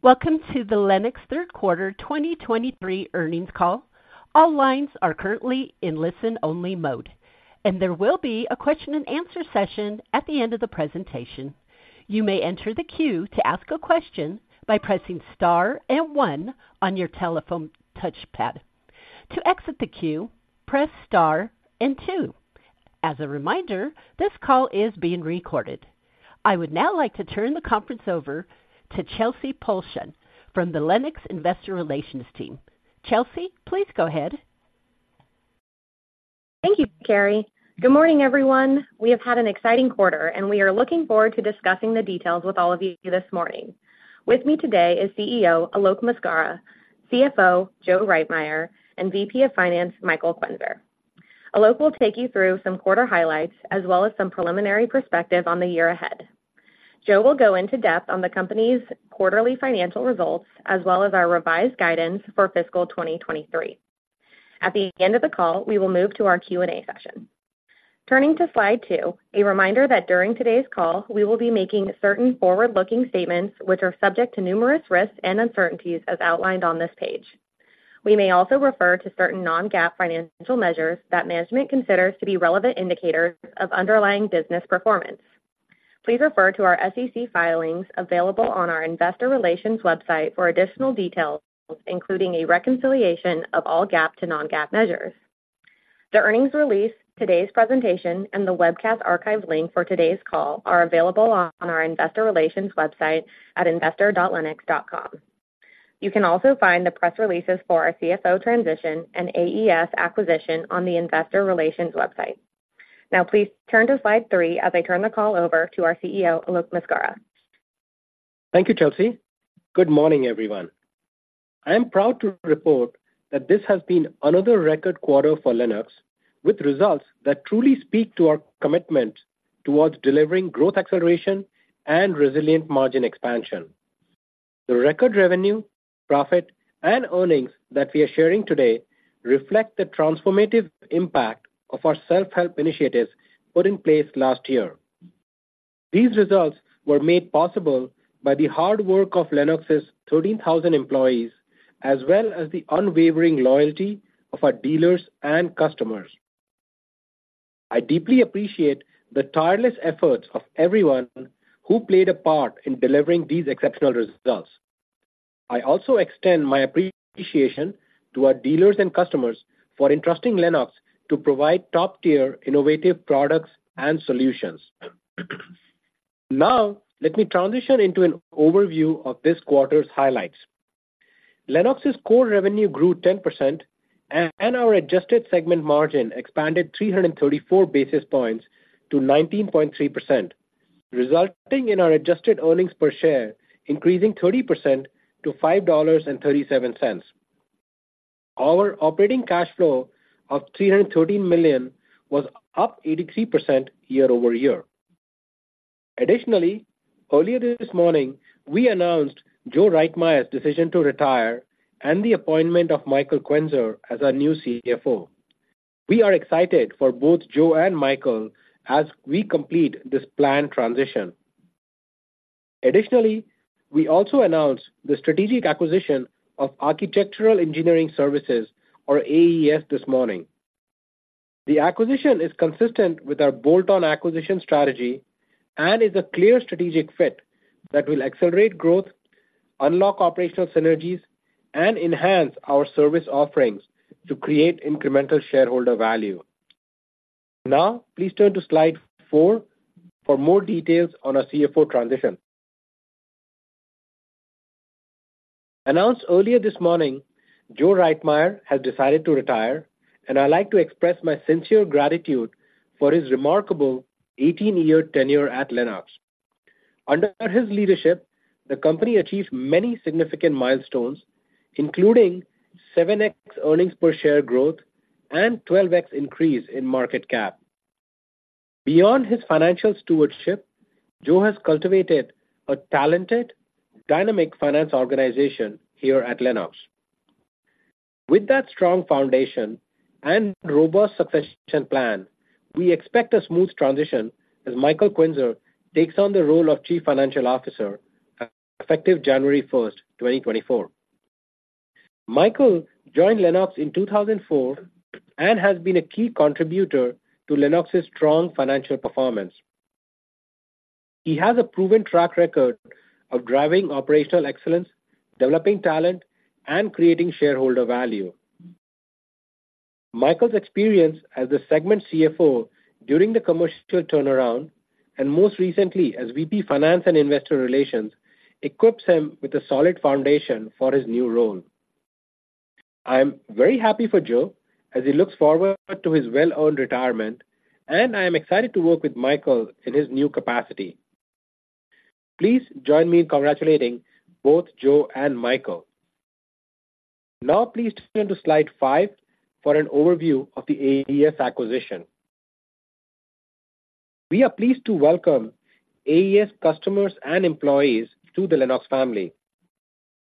Welcome to the Lennox third quarter 2023 earnings call. All lines are currently in listen-only mode, and there will be a question-and-answer session at the end of the presentation. You may enter the queue to ask a question by pressing star and one on your telephone touchpad. To exit the queue, press star and two. As a reminder, this call is being recorded. I would now like to turn the conference over to Chelsea Polshin from the Lennox Investor Relations Team. Chelsea, please go ahead. Thank you, Chelsea. Good morning, everyone. We have had an exciting quarter, and we are looking forward to discussing the details with all of you this morning. With me today is CEO Alok Maskara, CFO Joe Reitmeier, and VP of Finance Michael Quenzer. Alok will take you through some quarter highlights as well as some preliminary perspective on the year ahead. Joe will go into depth on the company's quarterly financial results, as well as our revised guidance for fiscal 2023. At the end of the call, we will move to our Q&A session. Turning to slide two, a reminder that during today's call, we will be making certain forward-looking statements which are subject to numerous risks and uncertainties, as outlined on this page. We may also refer to certain non-GAAP financial measures that management considers to be relevant indicators of underlying business performance. Please refer to our SEC filings available on our investor relations website for additional details, including a reconciliation of all GAAP to non-GAAP measures. The earnings release, today's presentation, and the webcast archive link for today's call are available on our investor relations website at investor dot lennox dot com. You can also find the press releases for our CFO transition and AES acquisition on the investor relations website. Now, please turn to slide three as I turn the call over to our CEO, Alok Maskara. Thank you, Chelsea. Good morning, everyone. I am proud to report that this has been another record quarter for Lennox, with results that truly speak to our commitment towards delivering growth, acceleration, and resilient margin expansion. The record revenue, profit, and earnings that we are sharing today reflect the transformative impact of our self-help initiatives put in place last year. These results were made possible by the hard work of Lennox's 13,000 employees, as well as the unwavering loyalty of our dealers and customers. I deeply appreciate the tireless efforts of everyone who played a part in delivering these exceptional results. I also extend my appreciation to our dealers and customers for entrusting Lennox to provide top-tier innovative products and solutions. Now, let me transition into an overview of this quarter's highlights. Lennox's core revenue grew 10%, and our adjusted segment margin expanded 334 basis points to 19.3%, resulting in our adjusted earnings per share, increasing 30% to $5.37. Our operating cash flow of $313 million was up 83% year-over-year. Additionally, earlier this morning, we announced Joe Reitmeier's decision to retire and the appointment of Michael Quenzer as our new CFO. We are excited for both Joe and Michael as we complete this planned transition. Additionally, we also announced the strategic acquisition of Architectural Engineering Services, or AES, this morning. The acquisition is consistent with our bolt-on acquisition strategy and is a clear strategic fit that will accelerate growth, unlock operational synergies, and enhance our service offerings to create incremental shareholder value. Now, please turn to slide four for more details on our CFO transition. Announced earlier this morning, Joe Reitmeier has decided to retire, and I'd like to express my sincere gratitude for his remarkable 18-year tenure at Lennox. Under his leadership, the company achieved many significant milestones, including 7x earnings per share growth and 12x increase in market cap. Beyond his financial stewardship, Joe has cultivated a talented, dynamic finance organization here at Lennox. With that strong foundation and robust succession plan, we expect a smooth transition as Michael Quenzer takes on the role of chief financial officer, effective January 1, 2024. Michael joined Lennox in 2004 and has been a key contributor to Lennox's strong financial performance. He has a proven track record of driving operational excellence, developing talent, and creating shareholder value. Michael's experience as a segment CFO during the commercial turnaround, and most recently as VP, Finance and Investor Relations, equips him with a solid foundation for his new role. I am very happy for Joe as he looks forward to his well-earned retirement, and I am excited to work with Michael in his new capacity. Please join me in congratulating both Joe and Michael. Now, please turn to slide five for an overview of the AES acquisition. We are pleased to welcome AES customers and employees to the Lennox family.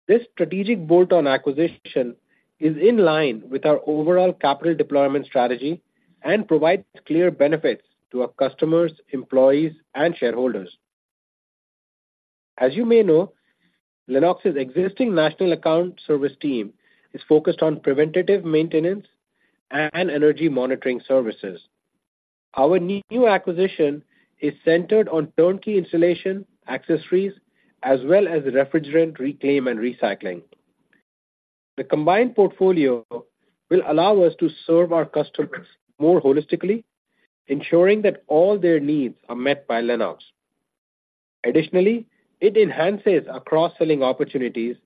This strategic bolt-on acquisition is in line with our overall capital deployment strategy, and provides clear benefits to our customers, employees, and shareholders. As you may know, Lennox's existing national account service team is focused on preventative maintenance and energy monitoring services. Our new acquisition is centered on turnkey installation, accessories, as well as refrigerant reclaim and recycling. The combined portfolio will allow us to serve our customers more holistically, ensuring that all their needs are met by Lennox. Additionally, it enhances our cross-selling opportunities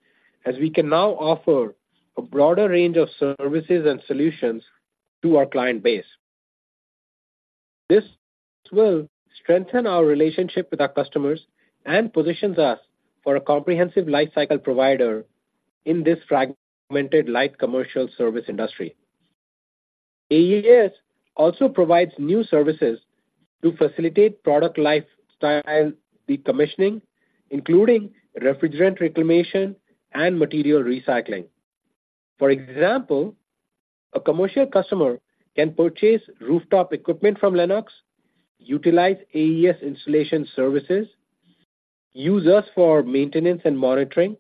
as we can now offer a broader range of services and solutions to our client base. This will strengthen our relationship with our customers and positions us for a comprehensive life cycle provider in this fragmented light commercial service industry. AES also provides new services to facilitate product lifestyle decommissioning, including refrigerant reclamation and material recycling. For example, a commercial customer can purchase rooftop equipment from Lennox, utilize AES installation services, use us for maintenance and monitoring,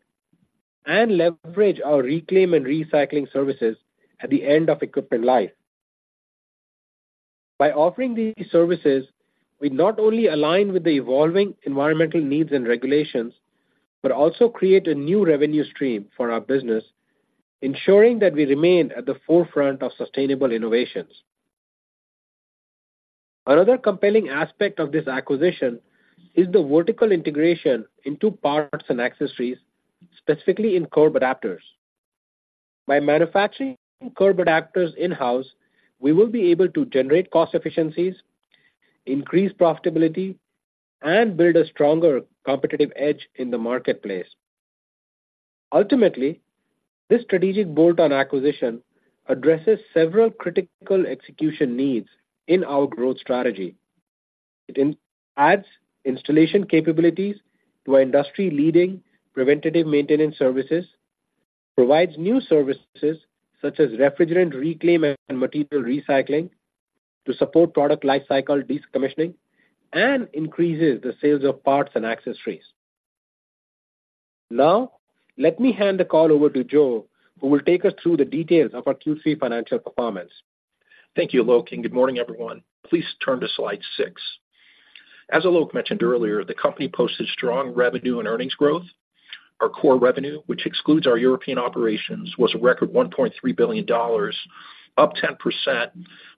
and leverage our reclaim and recycling services at the end of equipment life. By offering these services, we not only align with the evolving environmental needs and regulations, but also create a new revenue stream for our business, ensuring that we remain at the forefront of sustainable innovations. Another compelling aspect of this acquisition is the vertical integration into parts and accessories, specifically in curb adapters. By manufacturing curb adapters in-house, we will be able to generate cost efficiencies, increase profitability, and build a stronger competitive edge in the marketplace. Ultimately, this strategic bolt-on acquisition addresses several critical execution needs in our growth strategy. It adds installation capabilities to our industry-leading preventative maintenance services, provides new services such as refrigerant reclaim and material recycling to support product lifecycle decommissioning, and increases the sales of parts and accessories. Now, let me hand the call over to Joe, who will take us through the details of our Q3 financial performance. Thank you, Alok, and good morning, everyone. Please turn to slide six. As Alok mentioned earlier, the company posted strong revenue and earnings growth. Our core revenue, which excludes our European operations, was a record $1.3 billion, up 10%,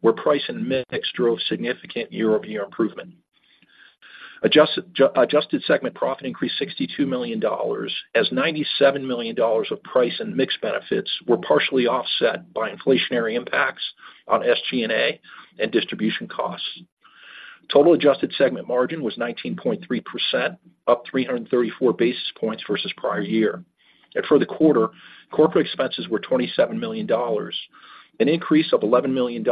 where price and mix drove significant year-over-year improvement. Adjusted segment profit increased $62 million, as $97 million of price and mix benefits were partially offset by inflationary impacts on SG&A and distribution costs. Total adjusted segment margin was 19.3%, up 334 basis points versus prior year. And for the quarter, corporate expenses were $27 million, an increase of $11 million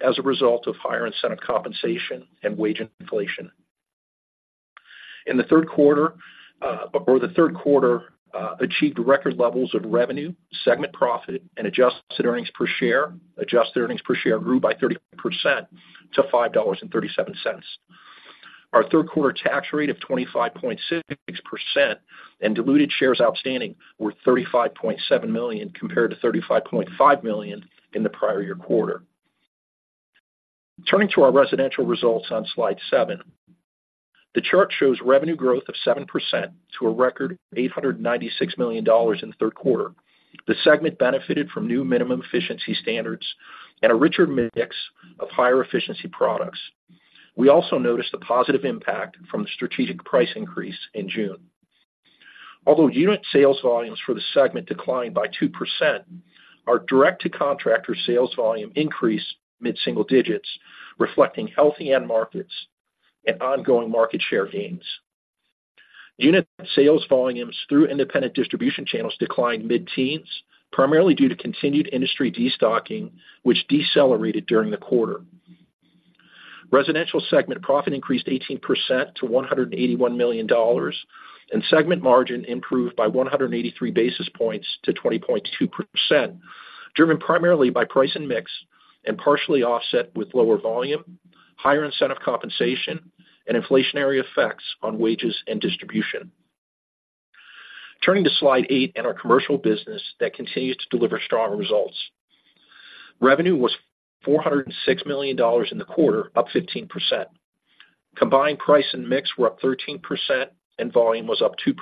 as a result of higher incentive compensation and wage inflation. In the third quarter, or the third quarter, achieved record levels of revenue, segment profit and adjusted earnings per share. Adjusted earnings per share grew by 30% to $5.37. Our third quarter tax rate of 25.6% and diluted shares outstanding were 35.7 million, compared to 35.5 million in the prior year quarter. Turning to our residential results on slide seven. The chart shows revenue growth of 7% to a record $896 million in the third quarter. The segment benefited from new minimum efficiency standards and a richer mix of higher efficiency products. We also noticed a positive impact from the strategic price increase in June. Although unit sales volumes for the segment declined by 2%, our direct-to-contractor sales volume increased mid-single digits, reflecting healthy end markets and ongoing market share gains. Unit sales volumes through independent distribution channels declined mid-teens, primarily due to continued industry destocking, which decelerated during the quarter. Residential segment profit increased 18% to $181 million, and segment margin improved by 183 basis points to 20.2%, driven primarily by price and mix, and partially offset with lower volume, higher incentive compensation, and inflationary effects on wages and distribution. Turning to slide eight and our commercial business that continues to deliver strong results. Revenue was $406 million in the quarter, up 15%. Combined price and mix were up 13% and volume was up 2%.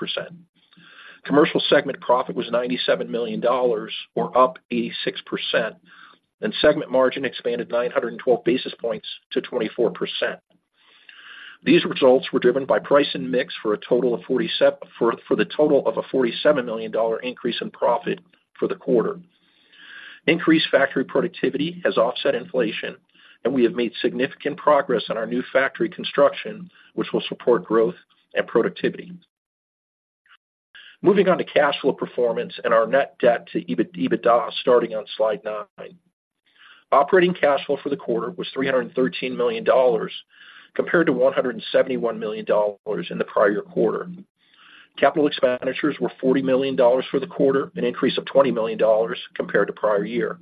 Commercial segment profit was $97 million or up 86%, and segment margin expanded 912 basis points to 24%. These results were driven by price and mix for a total of a $47 million increase in profit for the quarter. Increased factory productivity has offset inflation, and we have made significant progress on our new factory construction, which will support growth and productivity. Moving on to cash flow performance and our net debt to EBIT-EBITDA, starting on slide nine. Operating cash flow for the quarter was $313 million, compared to $171 million in the prior quarter. Capital expenditures were $40 million for the quarter, an increase of $20 million compared to prior year.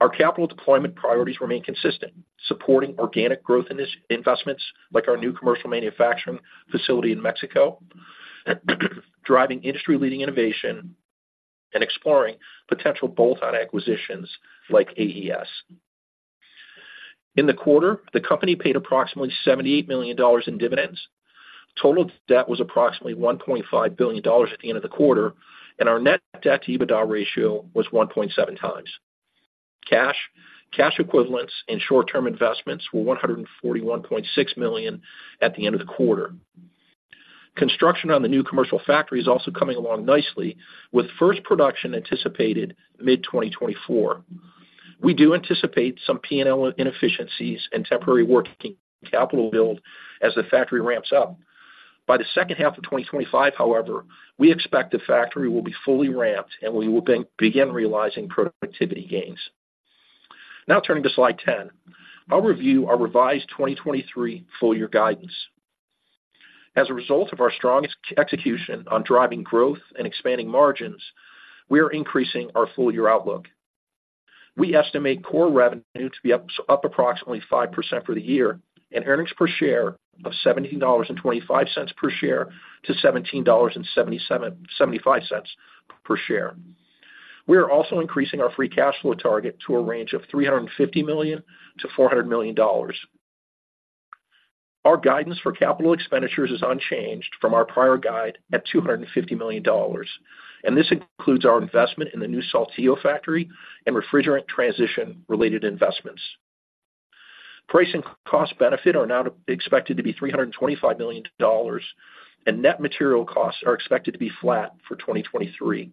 Our capital deployment priorities remain consistent, supporting organic growth in this investments, like our new commercial manufacturing facility in Mexico, driving industry-leading innovation and exploring potential bolt-on acquisitions like AES. In the quarter, the company paid approximately $78 million in dividends. Total debt was approximately $1.5 billion at the end of the quarter, and our net debt to EBITDA ratio was 1.7 times. Cash, cash equivalents and short-term investments were $141.6 million at the end of the quarter. Construction on the new commercial factory is also coming along nicely, with first production anticipated mid-2024. We do anticipate some P&L inefficiencies and temporary working capital build as the factory ramps up. By the second half of 2025, however, we expect the factory will be fully ramped, and we will begin realizing productivity gains. Now turning to slide 10. I'll review our revised 2023 full year guidance. As a result of our strong execution on driving growth and expanding margins, we are increasing our full year outlook. We estimate core revenue to be up approximately 5% for the year, and earnings per share of $17.25 per share to $17.75 per share. We are also increasing our free cash flow target to a range of $350 million-$400 million. Our guidance for capital expenditures is unchanged from our prior guide at $250 million, and this includes our investment in the new Saltillo factory and refrigerant transition-related investments. Price and cost benefit are now expected to be $325 million, and net material costs are expected to be flat for 2023.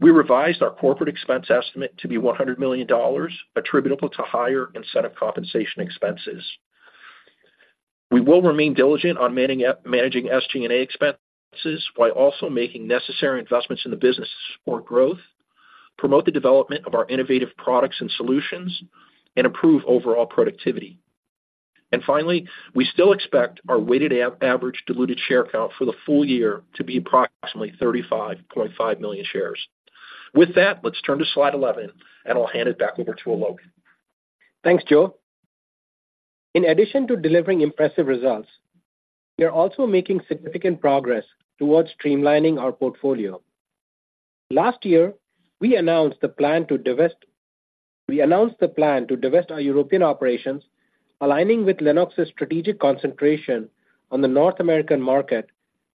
We revised our corporate expense estimate to be $100 million, attributable to higher incentive compensation expenses. We will remain diligent on manning, managing SG&A expenses, while also making necessary investments in the business to support growth, promote the development of our innovative products and solutions, and improve overall productivity. Finally, we still expect our weighted average diluted share count for the full year to be approximately 35.5 million shares. With that, let's turn to slide 11, and I'll hand it back over to Alok. Thanks, Joe. In addition to delivering impressive results, we are also making significant progress towards streamlining our portfolio. Last year, we announced the plan to divest our European operations, aligning with Lennox's strategic concentration on the North American market,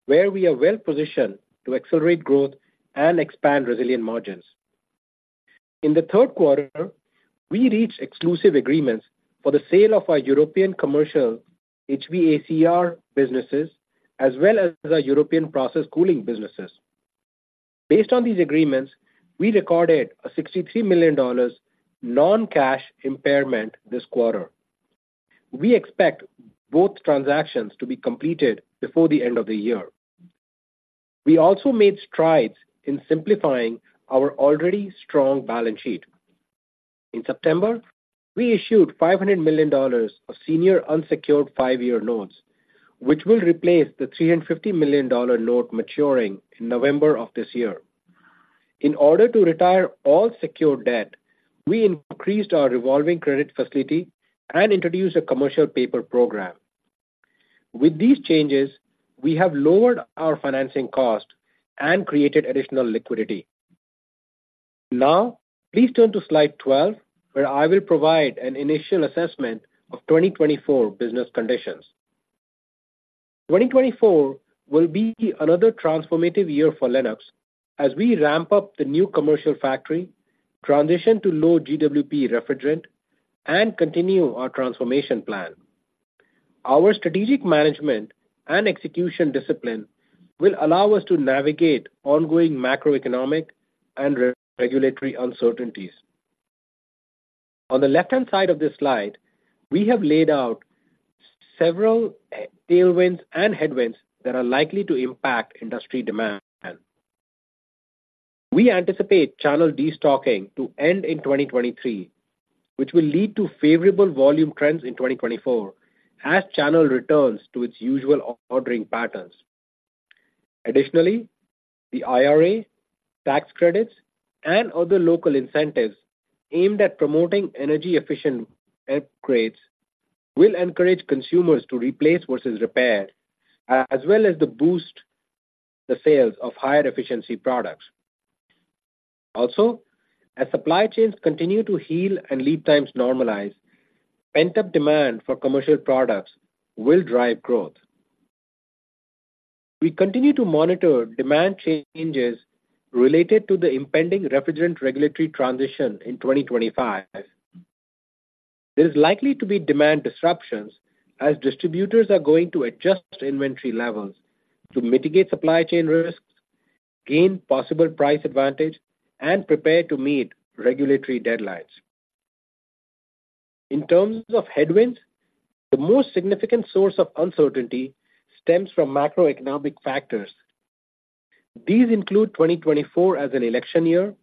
where we are well positioned to accelerate growth and expand resilient margins. In the third quarter, we reached exclusive agreements for the sale of our European commercial HVACR businesses, as well as our European process cooling businesses. Based on these agreements, we recorded a $63 million non-cash impairment this quarter. We expect both transactions to be completed before the end of the year. We also made strides in simplifying our already strong balance sheet. In September, we issued $500 million of senior unsecured 5-year loans, which will replace the $350 million note maturing in November of this year. In order to retire all secured debt, we increased our revolving credit facility and introduced a commercial paper program. With these changes, we have lowered our financing cost and created additional liquidity. Now, please turn to slide 12, where I will provide an initial assessment of 2024 business conditions. 2024 will be another transformative year for Lennox as we ramp up the new commercial factory, transition to low GWP refrigerant, and continue our transformation plan. Our strategic management and execution discipline will allow us to navigate ongoing macroeconomic and regulatory uncertainties. On the left-hand side of this slide, we have laid out several tailwinds and headwinds that are likely to impact industry demand. We anticipate channel destocking to end in 2023, which will lead to favorable volume trends in 2024 as channel returns to its usual ordering patterns. Additionally, the IRA, tax credits, and other local incentives aimed at promoting energy-efficient upgrades will encourage consumers to replace versus repair, as well as to boost the sales of higher efficiency products. Also, as supply chains continue to heal and lead times normalize, pent-up demand for commercial products will drive growth. We continue to monitor demand changes related to the impending refrigerant regulatory transition in 2025. There's likely to be demand disruptions as distributors are going to adjust inventory levels to mitigate supply chain risks, gain possible price advantage, and prepare to meet regulatory deadlines. In terms of headwinds, the most significant source of uncertainty stems from macroeconomic factors. These include 2024 as an election year,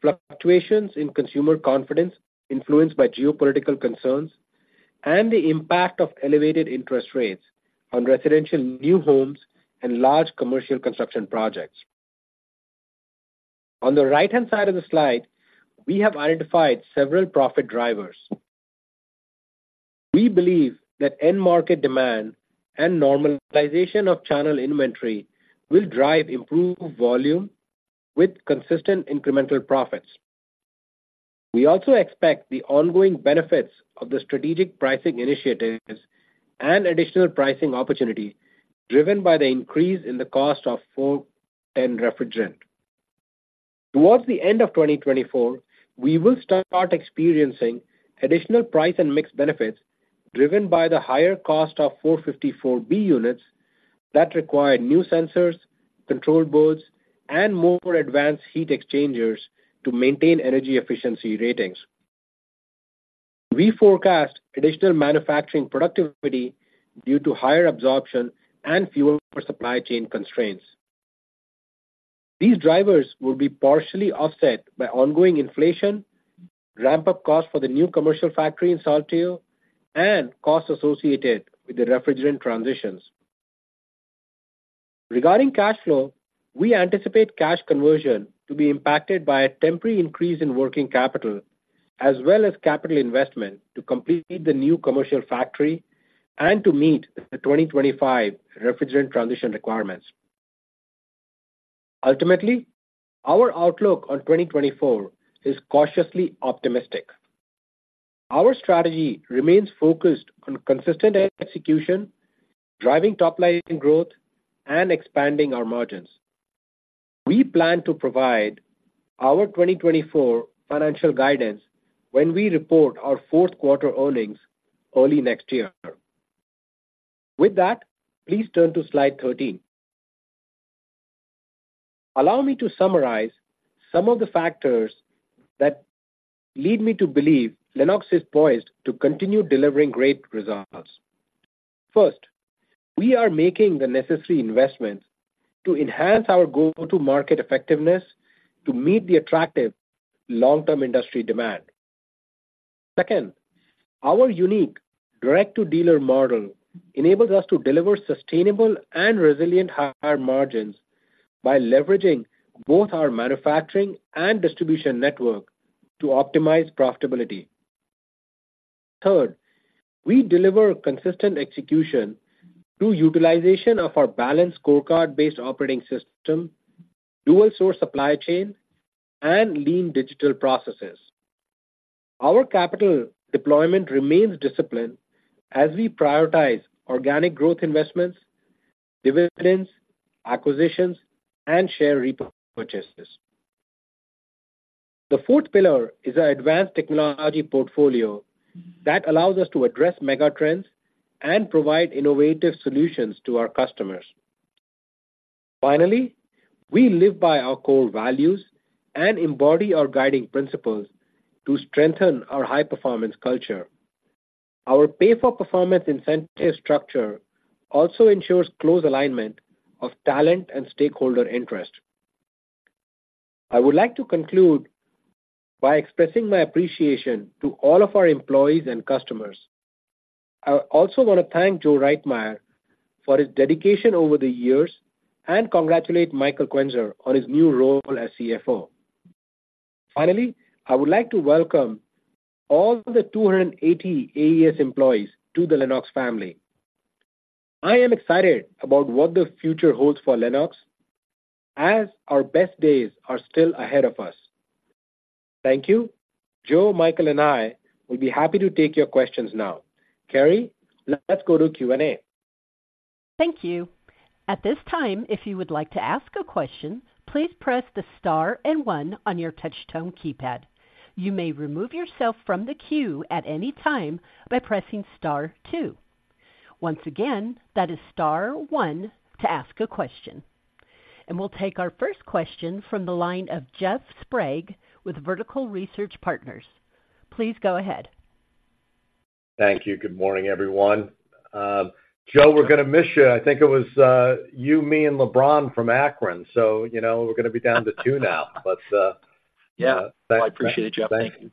fluctuations in consumer confidence influenced by geopolitical concerns, and the impact of elevated interest rates on residential new homes and large commercial construction projects. On the right-hand side of the slide, we have identified several profit drivers. We believe that end market demand and normalization of channel inventory will drive improved volume with consistent incremental profits. We also expect the ongoing benefits of the strategic pricing initiatives and additional pricing opportunities, driven by the increase in the cost of R-410A refrigerant. Towards the end of 2024, we will start experiencing additional price and mixed benefits, driven by the higher cost of R-454B units that require new sensors, control boards, and more advanced heat exchangers to maintain energy efficiency ratings. We forecast additional manufacturing productivity due to higher absorption and fewer supply chain constraints. These drivers will be partially offset by ongoing inflation, ramp-up costs for the new commercial factory in Saltillo, and costs associated with the refrigerant transitions. Regarding cash flow, we anticipate cash conversion to be impacted by a temporary increase in working capital, as well as capital investment to complete the new commercial factory and to meet the 2025 refrigerant transition requirements. Ultimately, our outlook on 2024 is cautiously optimistic. Our strategy remains focused on consistent execution, driving top-line growth, and expanding our margins. We plan to provide our 2024 financial guidance when we report our fourth quarter earnings early next year. With that, please turn to slide 13. Allow me to summarize some of the factors that lead me to believe Lennox is poised to continue delivering great results. First, we are making the necessary investments to enhance our go-to-market effectiveness to meet the attractive long-term industry demand. Second, our unique direct-to-dealer model enables us to deliver sustainable and resilient higher margins by leveraging both our manufacturing and distribution network to optimize profitability. Third, we deliver consistent execution through utilization of our balanced scorecard-based operating system, dual source supply chain, and lean digital processes. Our capital deployment remains disciplined as we prioritize organic growth investments, dividends, acquisitions, and share repurchases. The fourth pillar is our advanced technology portfolio that allows us to address mega trends and provide innovative solutions to our customers. Finally, we live by our core values and embody our guiding principles to strengthen our high-performance culture. Our pay-for-performance incentive structure also ensures close alignment of talent and stakeholder interest. I would like to conclude by expressing my appreciation to all of our employees and customers. I also want to thank Joe Reitmeier for his dedication over the years, and congratulate Michael Quenzer on his new role as CFO. Finally, I would like to welcome all the 280 AES employees to the Lennox family. I am excited about what the future holds for Lennox, as our best days are still ahead of us. Thank you. Joe, Michael, and I will be happy to take your questions now. Carrie, let's go to Q&A. Thank you. At this time, if you would like to ask a question, please press the star and one on your touch tone keypad. You may remove yourself from the queue at any time by pressing star two. Once again, that is star one to ask a question. We'll take our first question from the line of Jeff Sprague with Vertical Research Partners. Please go ahead. Thank you. Good morning, everyone. Joe, we're gonna miss you. I think it was you, me, and LeBron from Akron, so you know, we're gonna be down to two now. But- Yeah, I appreciate you. Thank you.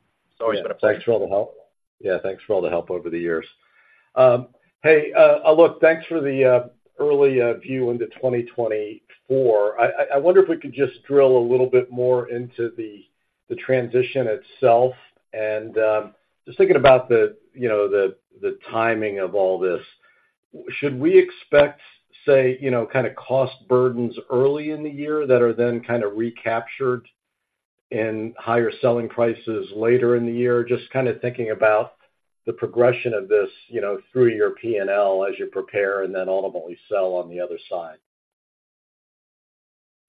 Thanks for all the help. Yeah, thanks for all the help over the years. Hey, look, thanks for the early view into 2024. I wonder if we could just drill a little bit more into the transition itself. Just thinking about the, you know, the timing of all this, should we expect, say, you know, kind of cost burdens early in the year that are then kind of recaptured in higher selling prices later in the year? Just kind of thinking about the progression of this, you know, through your PNL as you prepare and then ultimately sell on the other side.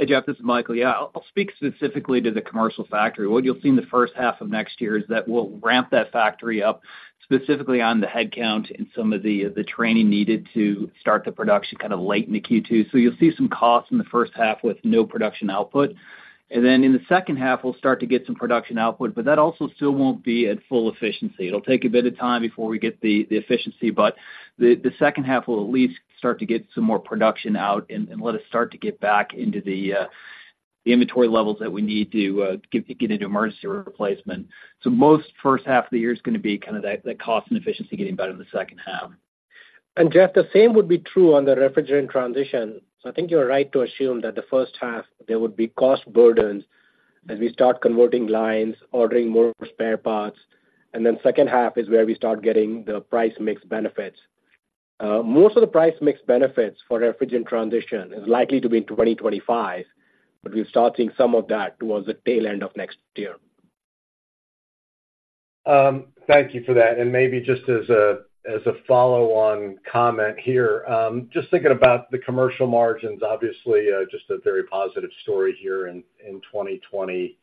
Hey, Jeff, this is Michael. Yeah, I'll speak specifically to the commercial factory. What you'll see in the first half of next year is that we'll ramp that factory up, specifically on the headcount and some of the training needed to start the production kind of late in the Q2. So you'll see some costs in the first half with no production output. And then in the second half, we'll start to get some production output, but that also still won't be at full efficiency. It'll take a bit of time before we get the efficiency, but the second half will at least start to get some more production out and let us start to get back into the inventory levels that we need to get into emergency replacement. Most first half of the year is gonna be kind of that, that cost and efficiency getting better in the second half. Jeff, the same would be true on the refrigerant transition. So I think you're right to assume that the first half there would be cost burdens as we start converting lines, ordering more spare parts, and then second half is where we start getting the price mix benefits. Most of the price mix benefits for refrigerant transition is likely to be in 2025, but we'll start seeing some of that towards the tail end of next year. Thank you for that. And maybe just as a follow-on comment here, just thinking about the commercial margins, obviously, just a very positive story here in 2023.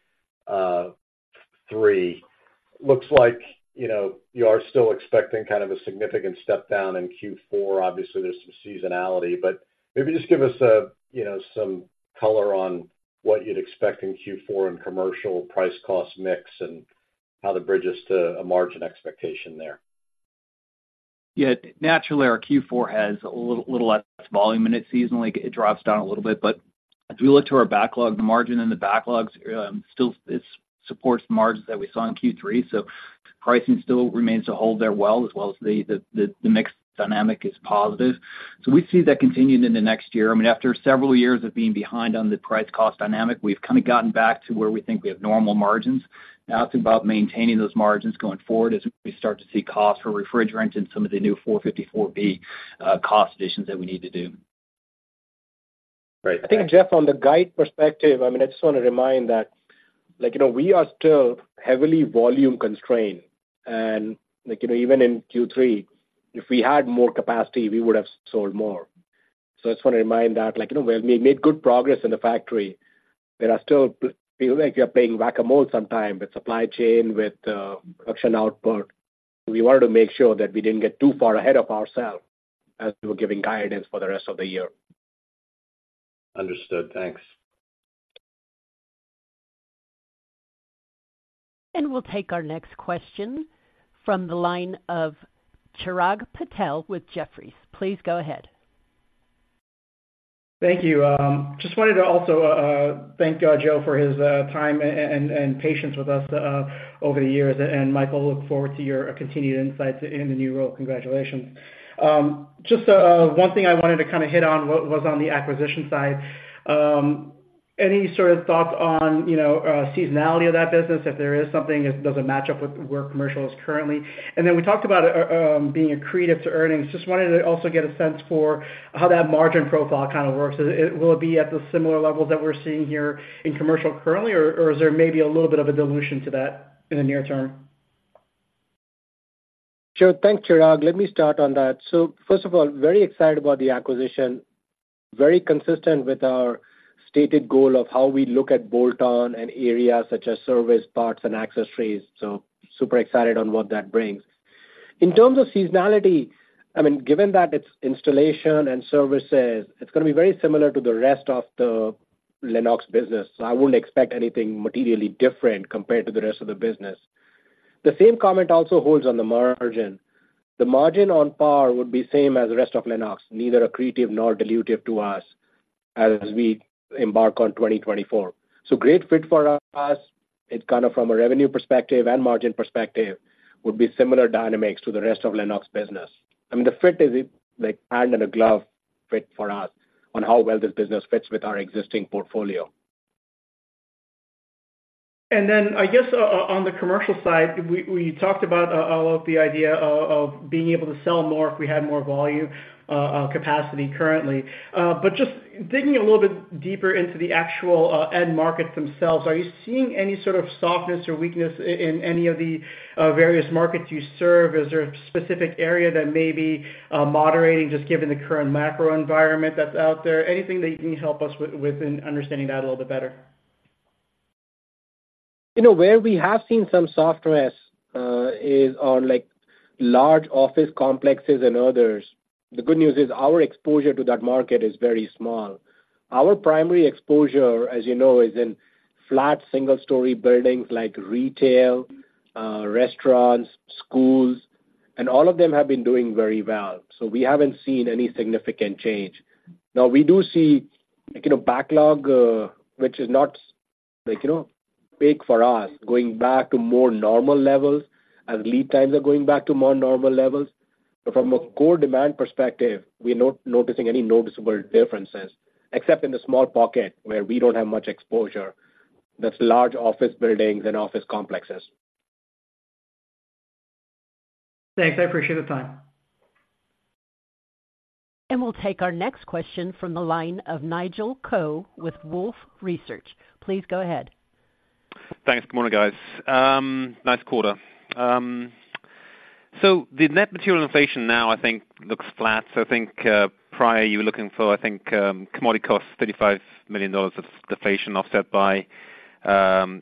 Looks like, you know, you are still expecting kind of a significant step down in Q4. Obviously, there's some seasonality, but maybe just give us a, you know, some color on what you'd expect in Q4 and commercial price cost mix and how that bridges to a margin expectation there. Yeah, naturally, our Q4 has a little less volume in it seasonally. It drops down a little bit, but as we look to our backlog, the margin in the backlogs still supports the margins that we saw in Q3. So pricing still remains to hold there well, as well as the mix dynamic is positive. So we see that continuing in the next year. I mean, after several years of being behind on the price cost dynamic, we've kind of gotten back to where we think we have normal margins. Now it's about maintaining those margins going forward as we start to see costs for refrigerant and some of the new 454B cost additions that we need to do. Great. I think, Jeff, on the guidance perspective, I mean, I just wanna remind that, like, you know, we are still heavily volume constrained, and like, you know, even in Q3, if we had more capacity, we would have sold more. So I just wanna remind that, like, you know, while we made good progress in the factory, there are still. Feel like you're playing whack-a-mole sometimes with supply chain, with production output. We wanted to make sure that we didn't get too far ahead of ourselves as we were giving guidance for the rest of the year. Understood. Thanks. We'll take our next question from the line of Chirag Patel with Jefferies. Please go ahead. Thank you. Just wanted to also thank Joe for his time and patience with us over the years. And Michael, look forward to your continued insights in the new role. Congratulations. Just one thing I wanted to kind of hit on was on the acquisition side. Any sort of thoughts on, you know, seasonality of that business, if there is something, if it doesn't match up with where commercial is currently? And then we talked about being accretive to earnings. Just wanted to also get a sense for how that margin profile kind of works. Will it be at the similar level that we're seeing here in commercial currently, or is there maybe a little bit of a dilution to that in the near term? Sure. Thanks, Chirag. Let me start on that. So first of all, very excited about the acquisition. Very consistent with our stated goal of how we look at bolt-on and areas such as service, parts, and accessories. So super excited on what that brings. In terms of seasonality, I mean, given that it's installation and services, it's gonna be very similar to the rest of the Lennox business. So I wouldn't expect anything materially different compared to the rest of the business. The same comment also holds on the margin. The margin on par would be same as the rest of Lennox, neither accretive nor dilutive to us as we embark on 2024. So great fit for us. It kind of from a revenue perspective and margin perspective, would be similar dynamics to the rest of Lennox business. I mean, the fit is like hand in a glove fit for us on how well this business fits with our existing portfolio. And then, I guess, on the commercial side, we talked about the idea of being able to sell more if we had more volume capacity currently. But just digging a little bit deeper into the actual end markets themselves, are you seeing any sort of softness or weakness in any of the various markets you serve? Is there a specific area that may be moderating, just given the current macro environment that's out there? Anything that you can help us with in understanding that a little bit better? You know, where we have seen some softness is on, like, large office complexes and others. The good news is our exposure to that market is very small. Our primary exposure, as you know, is in flat, single-story buildings like retail, restaurants, schools, and all of them have been doing very well. So we haven't seen any significant change. Now, we do see, you know, backlog, which is not like, you know, big for us, going back to more normal levels as lead times are going back to more normal levels. But from a core demand perspective, we're not noticing any noticeable differences, except in the small pocket where we don't have much exposure. That's large office buildings and office complexes. Thanks. I appreciate the time. We'll take our next question from the line of Nigel Coe with Wolfe Research. Please go ahead. Thanks. Good morning, guys. Nice quarter. So the net material inflation now, I think, looks flat. So I think, prior, you were looking for, I think, commodity costs, $35 million of deflation, offset by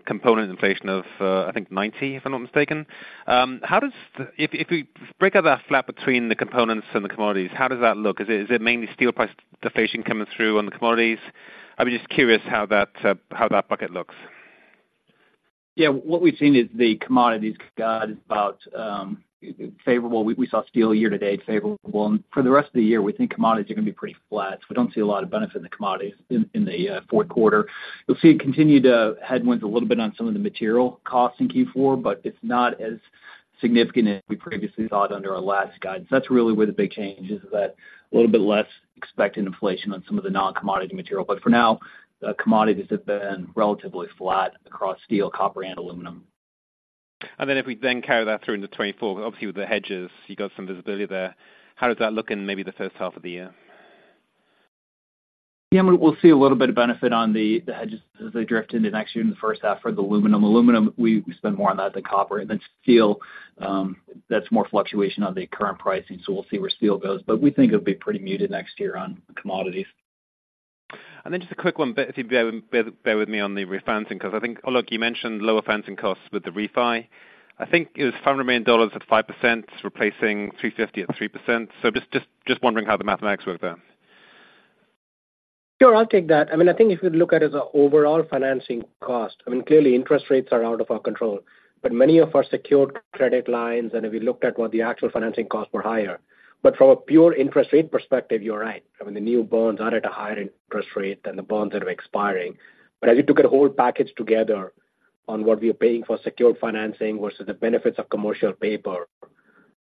component inflation of, I think $90 million, if I'm not mistaken. How does—if, if we break out that gap between the components and the commodities, how does that look? Is it mainly steel price deflation coming through on the commodities? I'm just curious how that bucket looks. Yeah, what we've seen is the commodities guide about favorable. We saw steel year to date favorable. And for the rest of the year, we think commodities are gonna be pretty flat, so we don't see a lot of benefit in the commodities in the fourth quarter. You'll see it continue to headwinds a little bit on some of the material costs in Q4, but it's not as significant as we previously thought under our last guide. So that's really where the big change is, is that a little bit less expected inflation on some of the non-commodity material. But for now, the commodities have been relatively flat across steel, copper, and aluminum. And then, if we then carry that through into 2024, obviously, with the hedges, you've got some visibility there. How does that look in maybe the first half of the year? Yeah, we'll see a little bit of benefit on the hedges as they drift into next year, in the first half for the aluminum. Aluminum, we spend more on that than copper. And then steel, that's more fluctuation on the current pricing, so we'll see where steel goes. But we think it'll be pretty muted next year on commodities. And then just a quick one, but if you bear with me on the refinancing, 'cause I think, Alok, you mentioned lower financing costs with the refi. I think it was $500 million at 5%, replacing $350 million at 3%. So just wondering how the mathematics work there. Sure, I'll take that. I mean, I think if you look at it as an overall financing cost, I mean, clearly interest rates are out of our control. But many of our secured credit lines, and if we looked at what the actual financing costs were higher. But from a pure interest rate perspective, you're right. I mean, the new bonds are at a higher interest rate than the bonds that are expiring. But as you look at the whole package together on what we are paying for secured financing versus the benefits of commercial paper,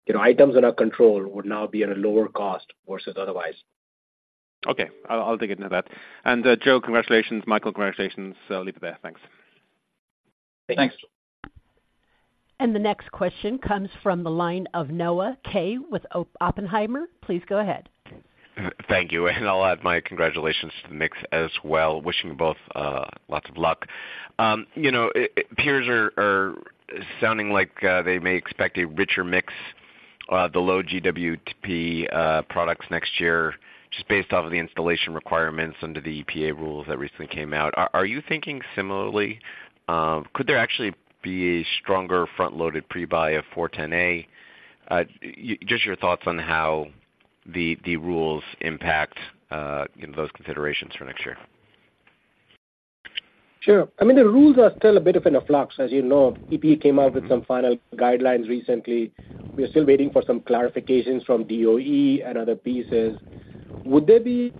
you know, items in our control would now be at a lower cost versus otherwise. Okay, I'll take it into that. And, Joe, congratulations. Michael, congratulations. So I'll leave it there. Thanks. Thanks. The next question comes from the line of Noah Kaye with Oppenheimer. Please go ahead. Thank you, and I'll add my congratulations to the mix as well. Wishing you both lots of luck. You know, peers are sounding like they may expect a richer mix of the low GWP products next year, just based off of the installation requirements under the EPA rules that recently came out. Are you thinking similarly? Could there actually be a stronger front-loaded pre-buy of R-410A? Just your thoughts on how the rules impact you know those considerations for next year. Sure. I mean, the rules are still a bit in a flux. As you know, EPA came out with some final guidelines recently. We are still waiting for some clarifications from DOE and other pieces. Would there be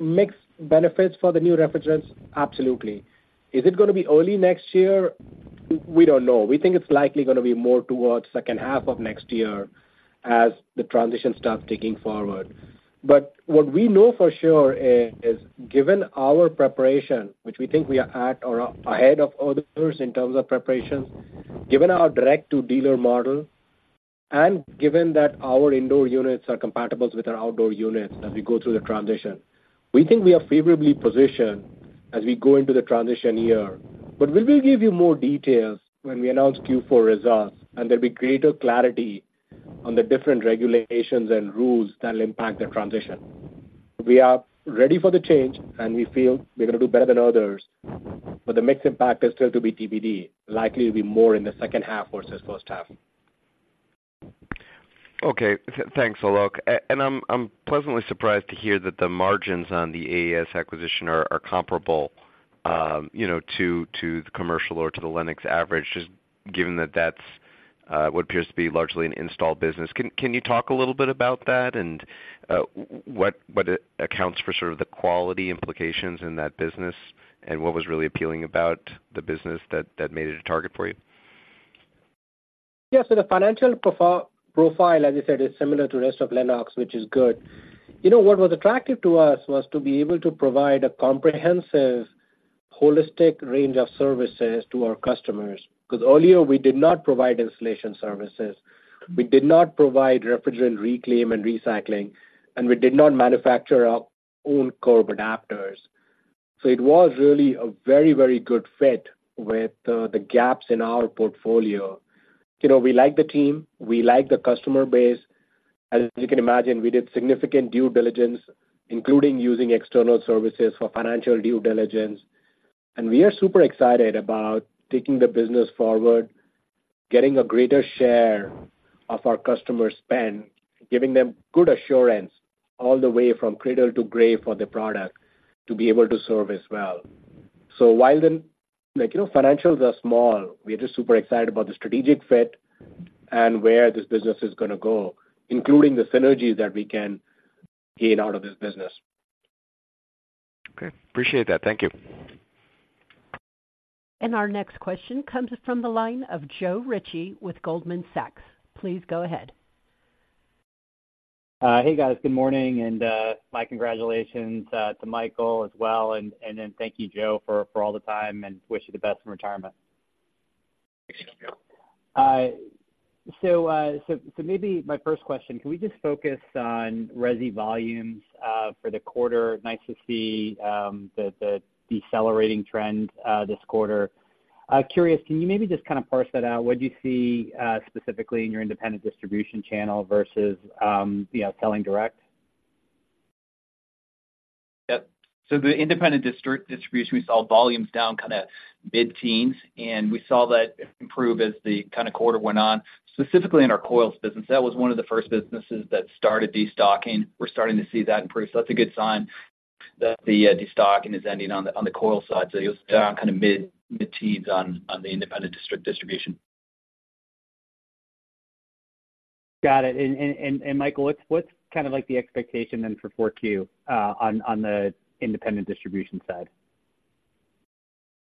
mixed benefits for the new refrigerants? Absolutely. Is it gonna be early next year? We don't know. We think it's likely gonna be more towards second half of next year as the transition starts ticking forward. But what we know for sure is given our preparation, which we think we are at or ahead of others in terms of preparations, given our direct-to-dealer model, and given that our indoor units are compatible with our outdoor units as we go through the transition, we think we are favorably positioned as we go into the transition year. But we will give you more details when we announce Q4 results, and there'll be greater clarity on the different regulations and rules that will impact the transition. We are ready for the change, and we feel we're gonna do better than others, but the mix impact is still to be TBD, likely to be more in the second half versus first half. Okay. Thanks, Alok. I'm pleasantly surprised to hear that the margins on the AES acquisition are comparable, you know, to the commercial or to the Lennox average, just given that that's what appears to be largely an installed business. Can you talk a little bit about that? And what accounts for sort of the quality implications in that business, and what was really appealing about the business that made it a target for you? Yeah, so the financial profile, as you said, is similar to the rest of Lennox, which is good. You know, what was attractive to us was to be able to provide a comprehensive, holistic range of services to our customers. Because earlier, we did not provide installation services, we did not provide refrigerant reclaim and recycling, and we did not manufacture our own curb adapters. So it was really a very, very good fit with the gaps in our portfolio. You know, we like the team, we like the customer base. As you can imagine, we did significant due diligence, including using external services for financial due diligence. And we are super excited about taking the business forward, getting a greater share of our customer spend, giving them good assurance all the way from cradle to grave for the product to be able to service well. While the, like, you know, financials are small, we are just super excited about the strategic fit and where this business is gonna go, including the synergies that we can gain out of this business. Okay, appreciate that. Thank you. Our next question comes from the line of Joe Ritchie with Goldman Sachs. Please go ahead. Hey, guys. Good morning, and my congratulations to Michael as well. And then thank you, Joe, for all the time, and wish you the best in retirement. Thank you. So maybe my first question, can we just focus on resi volumes for the quarter? Nice to see the decelerating trend this quarter. Curious, can you maybe just kind of parse that out? What'd you see specifically in your independent distribution channel versus, you know, selling direct? Yep. So the independent district distribution, we saw volumes down kind of mid-teens, and we saw that improve as the kind of quarter went on, specifically in our coils business. That was one of the first businesses that started destocking. We're starting to see that improve, so that's a good sign that the destocking is ending on the coil side. So you'll see kind of mid-teens on the independent district distribution. Got it. And Michael, what's kind of like the expectation then for Q4 on the independent distribution side?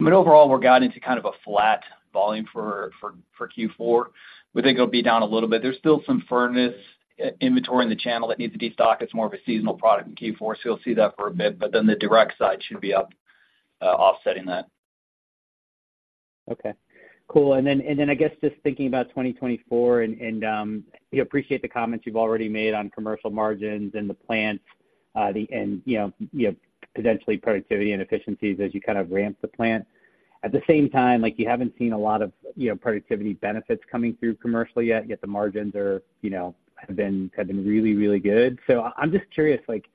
Overall, we're guiding to kind of a flat volume for Q4. We think it'll be down a little bit. There's still some furnace inventory in the channel that needs to destock. It's more of a seasonal product in Q4, so you'll see that for a bit, but then the direct side should be up, offsetting that. Okay, cool. And then I guess just thinking about 2024, we appreciate the comments you've already made on commercial margins and the plants, and, you know, you have potentially productivity and efficiencies as you kind of ramp the plant. At the same time, like, you haven't seen a lot of, you know, productivity benefits coming through commercially yet, yet the margins are, you know, have been really, really good. So I'm just curious, like,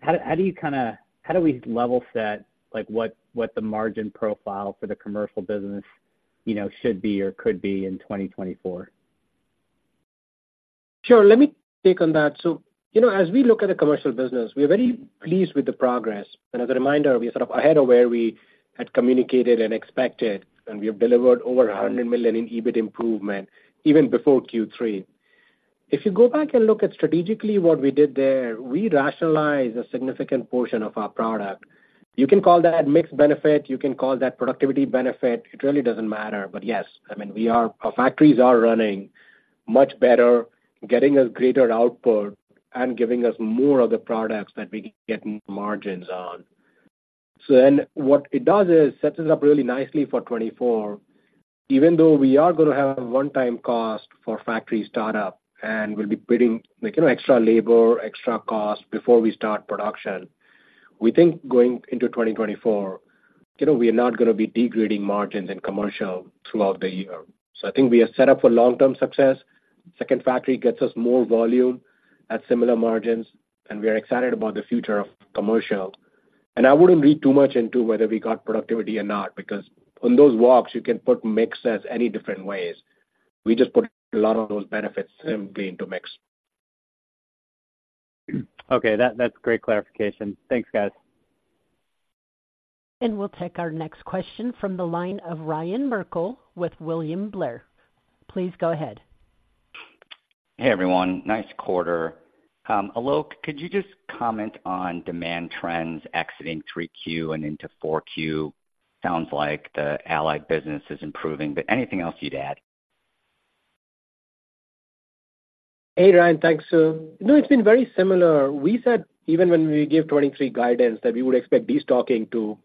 how do you kind of, how do we level set, like, what the margin profile for the commercial business, you know, should be or could be in 2024? Sure. Let me take on that. So, you know, as we look at the commercial business, we're very pleased with the progress. And as a reminder, we are sort of ahead of where we had communicated and expected, and we have delivered over $100 million in EBIT improvement even before Q3. If you go back and look at strategically what we did there, we rationalized a significant portion of our product. You can call that mixed benefit, you can call that productivity benefit. It really doesn't matter. But yes, I mean, we are, our factories are running much better, getting us greater output and giving us more of the products that we can get margins on. So then what it does is, sets us up really nicely for 2024. Even though we are gonna have a one-time cost for factory startup, and we'll be putting, like, you know, extra labor, extra costs before we start production, we think going into 2024, you know, we are not gonna be degrading margins in commercial throughout the year. So I think we are set up for long-term success. Second factory gets us more volume at similar margins, and we are excited about the future of commercial. And I wouldn't read too much into whether we got productivity or not, because on those walks, you can put mix as any different ways. We just put a lot of those benefits simply into mix. Okay, that's great clarification. Thanks, guys. We'll take our next question from the line of Ryan Merkel with William Blair. Please go ahead. Hey, everyone. Nice quarter. Alok, could you just comment on demand trends exiting 3Q and into 4Q? Sounds like the Allied business is improving, but anything else you'd add? Hey, Ryan. Thanks. So, you know, it's been very similar. We said, even when we gave 2023 guidance, that we would expect destocking to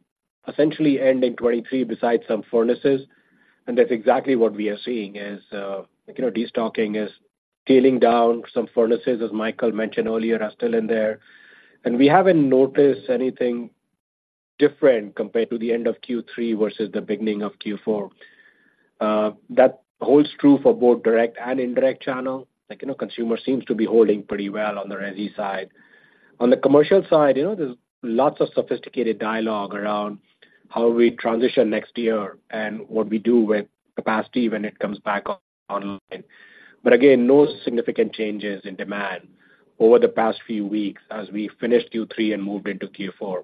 essentially end in 2023 besides some furnaces, and that's exactly what we are seeing is, you know, destocking is scaling down. Some furnaces, as Michael mentioned earlier, are still in there. And we haven't noticed anything different compared to the end of Q3 versus the beginning of Q4. That holds true for both direct and indirect channel. Like, you know, consumer seems to be holding pretty well on the resi side. On the commercial side, you know, there's lots of sophisticated dialogue around how we transition next year and what we do with capacity when it comes back online. But again, no significant changes in demand over the past few weeks as we finished Q3 and moved into Q4.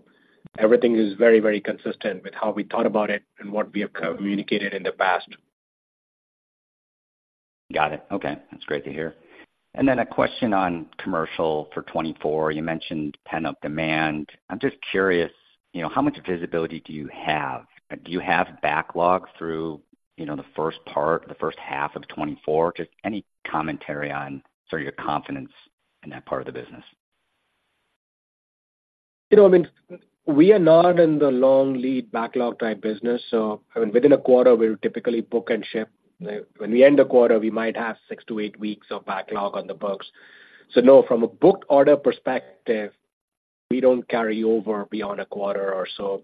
Everything is very, very consistent with how we thought about it and what we have communicated in the past. Got it. Okay, that's great to hear. And then a question on commercial for 2024. You mentioned pent-up demand. I'm just curious, you know, how much visibility do you have? Do you have backlog through, you know, the first part or the first half of 2024? Just any commentary on sort of your confidence in that part of the business. You know, I mean, we are not in the long lead backlog type business, so, I mean, within a quarter, we'll typically book and ship. When we end a quarter, we might have 6-8 weeks of backlog on the books. So no, from a booked order perspective, we don't carry over beyond a quarter or so.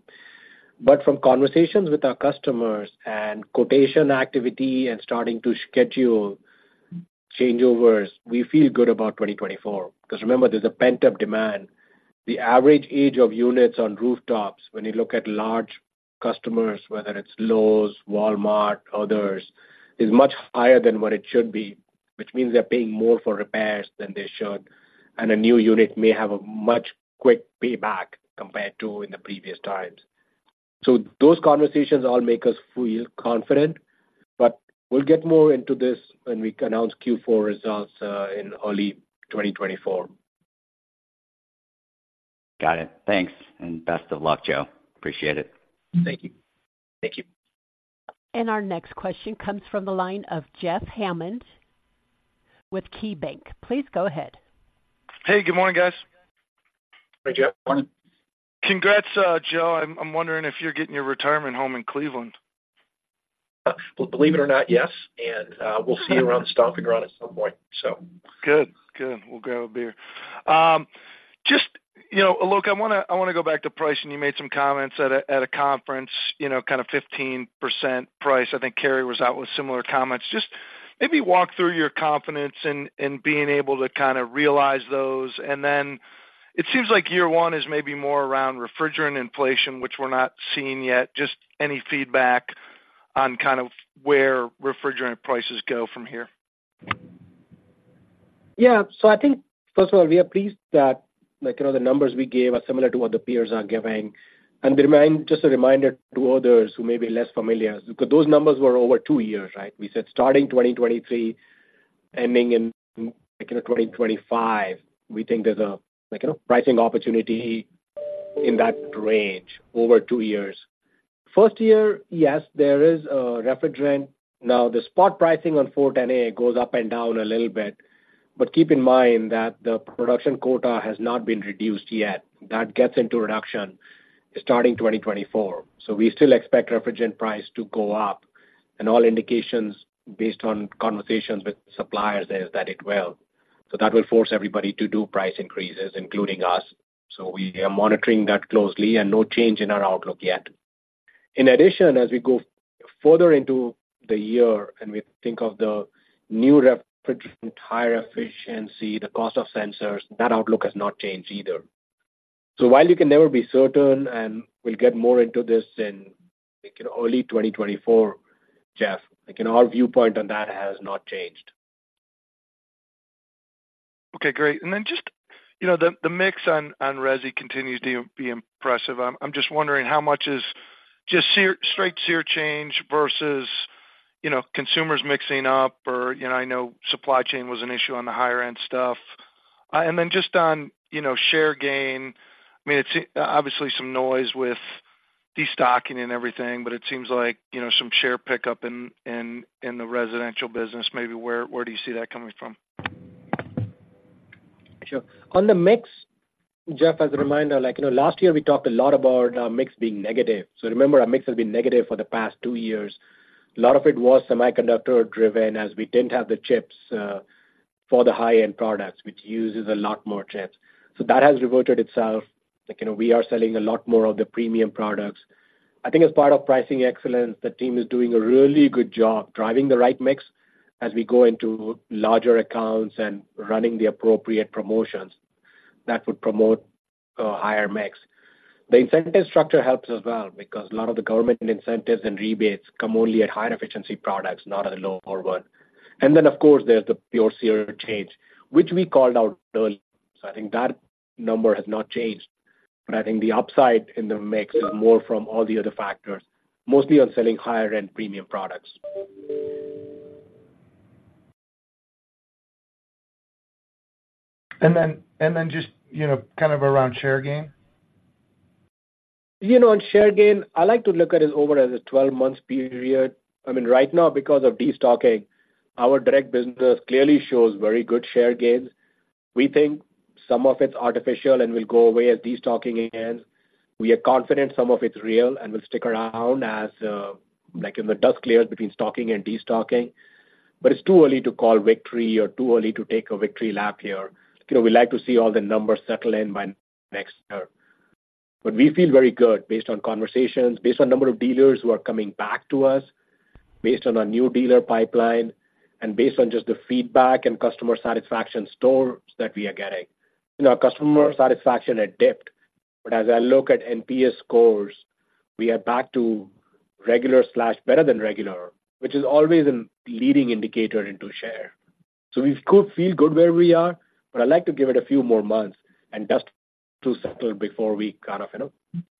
But from conversations with our customers and quotation activity and starting to schedule changeovers, we feel good about 2024, because remember, there's a pent-up demand. The average age of units on rooftops, when you look at large customers, whether it's Lowe's, Walmart, others, is much higher than what it should be, which means they're paying more for repairs than they should, and a new unit may have a much quick payback compared to in the previous times. Those conversations all make us feel confident, but we'll get more into this when we announce Q4 results in early 2024. Got it. Thanks, and best of luck, Joe. Appreciate it. Thank you. Thank you. Our next question comes from the line of Jeff Hammond with KeyBanc. Please go ahead. Hey, good morning, guys. Hey, Jeff. Morning. Congrats, Joe. I'm wondering if you're getting your retirement home in Cleveland? Believe it or not, yes, and we'll see you around the stomping ground at some point, so. Good. Good. We'll grab a beer. Just, you know, Alok, I wanna, I wanna go back to price, and you made some comments at a conference, you know, kind of 15% price. I think Carrier was out with similar comments. Just maybe walk through your confidence in being able to kind of realize those. And then it seems like year one is maybe more around refrigerant inflation, which we're not seeing yet. Just any feedback? on kind of where refrigerant prices go from here? Yeah. So I think, first of all, we are pleased that, like, you know, the numbers we gave are similar to what the peers are giving. Just a reminder to others who may be less familiar, because those numbers were over two years, right? We said starting 2023, ending in, like, you know, 2025, we think there's a, like, you know, pricing opportunity in that range over two years. First year, yes, there is a refrigerant. Now, the spot pricing on R-410A goes up and down a little bit, but keep in mind that the production quota has not been reduced yet. That gets into reduction starting 2024. So we still expect refrigerant price to go up, and all indications, based on conversations with suppliers, is that it will. So that will force everybody to do price increases, including us. So we are monitoring that closely and no change in our outlook yet. In addition, as we go further into the year and we think of the new refrigerant, higher efficiency, the cost of sensors, that outlook has not changed either. So while you can never be certain, and we'll get more into this in, like, early 2024, Jeff, like, in our viewpoint on that has not changed. Okay, great. Just, you know, the mix on resi continues to be impressive. I'm just wondering how much is just SEER, straight SEER change versus, you know, consumers mixing up or, you know, I know supply chain was an issue on the higher end stuff. And then just on, you know, share gain. I mean, it's obviously some noise with destocking and everything, but it seems like, you know, some share pickup in the residential business maybe. Where do you see that coming from? Sure. On the mix, Jeff, as a reminder, like, you know, last year we talked a lot about our mix being negative. So remember, our mix has been negative for the past two years. A lot of it was semiconductor driven, as we didn't have the chips for the high-end products, which uses a lot more chips. So that has reverted itself. Like, you know, we are selling a lot more of the premium products. I think as part of pricing excellence, the team is doing a really good job driving the right mix as we go into larger accounts and running the appropriate promotions that would promote a higher mix. The incentive structure helps as well, because a lot of the government incentives and rebates come only at higher efficiency products, not at the lower one. And then, of course, there's the pure SEER change, which we called out early. So I think that number has not changed. But I think the upside in the mix is more from all the other factors, mostly on selling higher-end premium products. And then just, you know, kind of around share gain? You know, on share gain, I like to look at it over as a 12-month period. I mean, right now, because of destocking, our direct business clearly shows very good share gains. We think some of it's artificial and will go away as destocking ends. We are confident some of it's real and will stick around as, like, in the dust clears between stocking and destocking. But it's too early to call victory or too early to take a victory lap here. You know, we like to see all the numbers settle in by next year. But we feel very good based on conversations, based on number of dealers who are coming back to us, based on our new dealer pipeline, and based on just the feedback and customer satisfaction scores that we are getting. You know, our customer satisfaction had dipped, but as I look at NPS scores, we are back to regular, better than regular, which is always a leading indicator into share. So we could feel good where we are, but I'd like to give it a few more months and just to settle before we kind of, you know,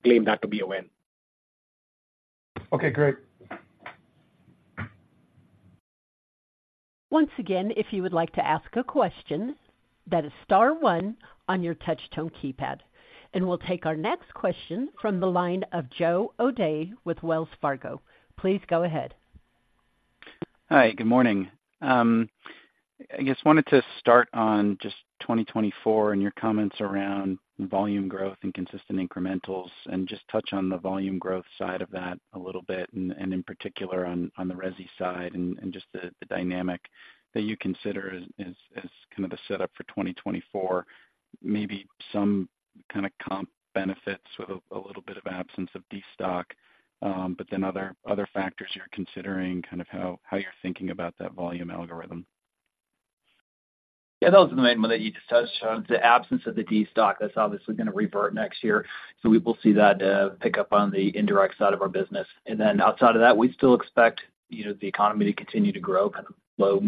claim that to be a win. Okay, great. Once again, if you would like to ask a question, that is star one on your touch tone keypad. We'll take our next question from the line of Joe O'Dea with Wells Fargo. Please go ahead. Hi, good morning. I just wanted to start on just 2024 and your comments around volume growth and consistent incrementals, and just touch on the volume growth side of that a little bit, and in particular on the resi side and just the dynamic that you consider as kind of the setup for 2024. Maybe some kind of comp benefits with a little bit of absence of destock, but then other factors you're considering, kind of how you're thinking about that volume algorithm. Yeah, that was the main one that you just touched on, the absence of the destock. That's obviously gonna revert next year, so we will see that pick up on the indirect side of our business. And then outside of that, we still expect, you know, the economy to continue to grow at a low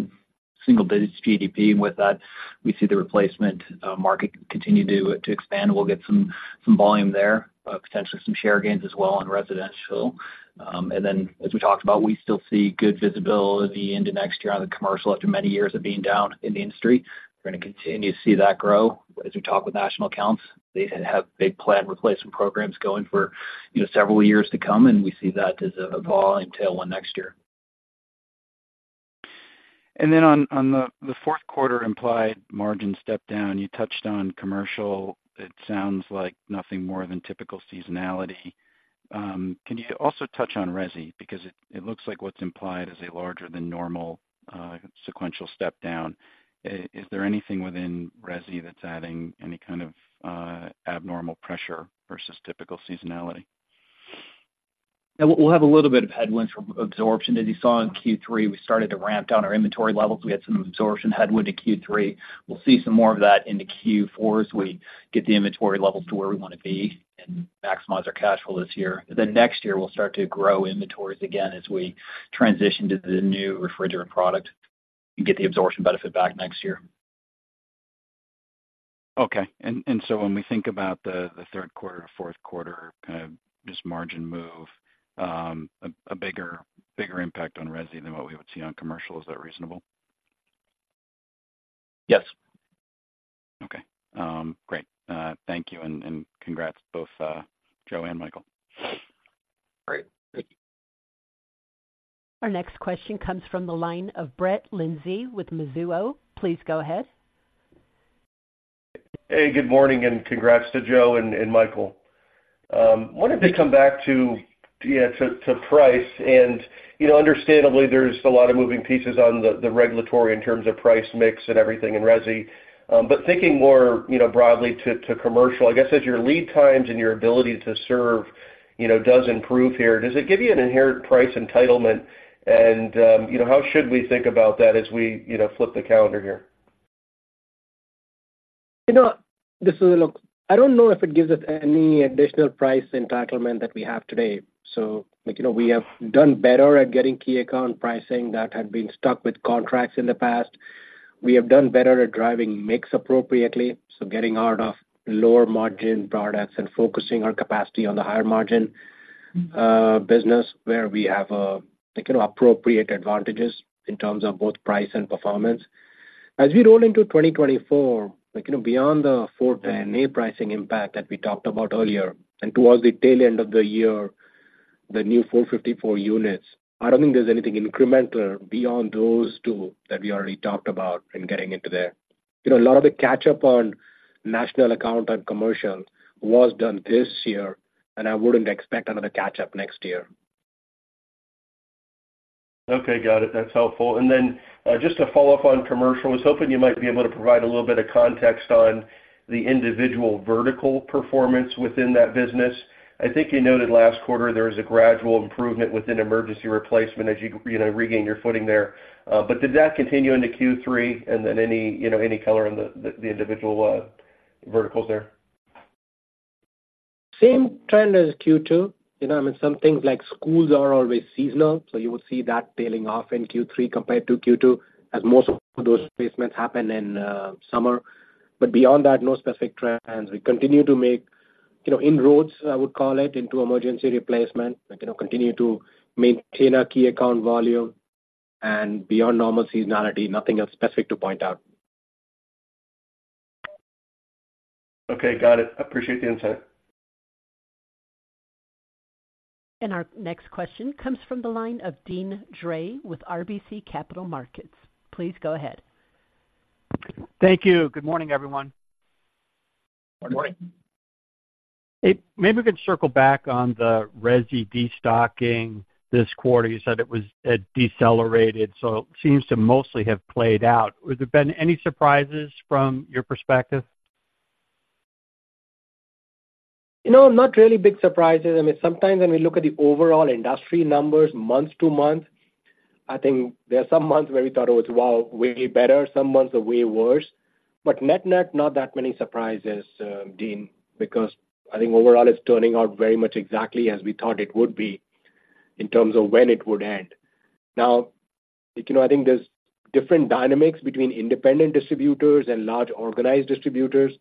single digits GDP. With that, we see the replacement market continue to expand. We'll get some volume there, potentially some share gains as well in residential. And then as we talked about, we still see good visibility into next year on the commercial after many years of being down in the industry. We're gonna continue to see that grow. As we talk with national accounts, they have big planned replacement programs going for, you know, several years to come, and we see that as a volume tailwind next year. And then on the fourth quarter implied margin step down, you touched on commercial. It sounds like nothing more than typical seasonality. Can you also touch on resi? Because it looks like what's implied is a larger than normal sequential step down. Is there anything within resi that's adding any kind of abnormal pressure versus typical seasonality? Yeah, we'll have a little bit of headwinds from absorption. As you saw in Q3, we started to ramp down our inventory levels. We had some absorption headwind in Q3. We'll see some more of that into Q4 as we get the inventory levels to where we want to be and maximize our cash flow this year. Then next year, we'll start to grow inventories again as we transition to the new refrigerant product and get the absorption benefit back next year. Okay. And so when we think about the third quarter, fourth quarter, kind of this margin move, a bigger impact on resi than what we would see on commercial, is that reasonable? Yes. Okay. Great. Thank you, and congrats, both Joe and Michael. Great. Thank you. Our next question comes from the line of Brett Linzey with Mizuho. Please go ahead. Hey, good morning, and congrats to Joe and Michael. Wanted to come back to, yeah, to price. And, you know, understandably, there's a lot of moving pieces on the regulatory in terms of price mix and everything in resi. But thinking more, you know, broadly to commercial, I guess, as your lead times and your ability to serve, you know, does improve here, does it give you an inherent price entitlement? And, you know, how should we think about that as we, you know, flip the calendar here? You know, this is look, I don't know if it gives us any additional price entitlement that we have today. So, like, you know, we have done better at getting key account pricing that had been stuck with contracts in the past. We have done better at driving mix appropriately, so getting out of lower margin products and focusing our capacity on the higher margin business, where we have a, you know, appropriate advantages in terms of both price and performance. As we roll into 2024, like, you know, beyond the 410A pricing impact that we talked about earlier, and towards the tail end of the year, the new 454 units, I don't think there's anything incremental beyond those two that we already talked about in getting into there. You know, a lot of the catch-up on national account and commercial was done this year, and I wouldn't expect another catch-up next year. Okay, got it. That's helpful. And then just to follow up on commercial, I was hoping you might be able to provide a little bit of context on the individual vertical performance within that business. I think you noted last quarter there was a gradual improvement within emergency replacement as you, you know, regained your footing there. But did that continue into Q3? And then any, you know, any color on the individual verticals there? Same trend as Q2. You know, I mean, some things like schools are always seasonal, so you will see that tailing off in Q3 compared to Q2, as most of those placements happen in summer. But beyond that, no specific trends. We continue to make, you know, inroads, I would call it, into emergency replacement, like, you know, continue to maintain our key account volume and beyond normal seasonality, nothing else specific to point out. Okay, got it. I appreciate the insight. And our next question comes from the line of Deane Dray with RBC Capital Markets. Please go ahead. Thank you. Good morning, everyone. Good morning. Morning. Hey, maybe we can circle back on the resi destocking this quarter. You said it was, it decelerated, so it seems to mostly have played out. Would there been any surprises from your perspective? You know, not really big surprises. I mean, sometimes when we look at the overall industry numbers month-to-month, I think there are some months where we thought it was, wow, way better, some months are way worse. But net-net, not that many surprises, Dean, because I think overall it's turning out very much exactly as we thought it would be in terms of when it would end. Now, you know, I think there's different dynamics between independent distributors and large organized distributors.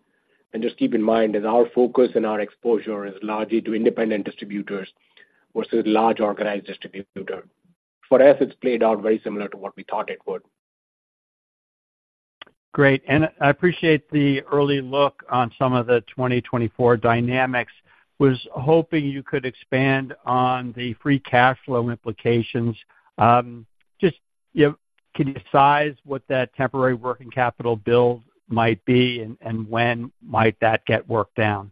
And just keep in mind that our focus and our exposure is largely to independent distributors versus large organized distributor. For us, it's played out very similar to what we thought it would. Great, and I appreciate the early look on some of the 2024 dynamics. Was hoping you could expand on the free cash flow implications. Just, you know, can you size what that temporary working capital build might be and when might that get worked down?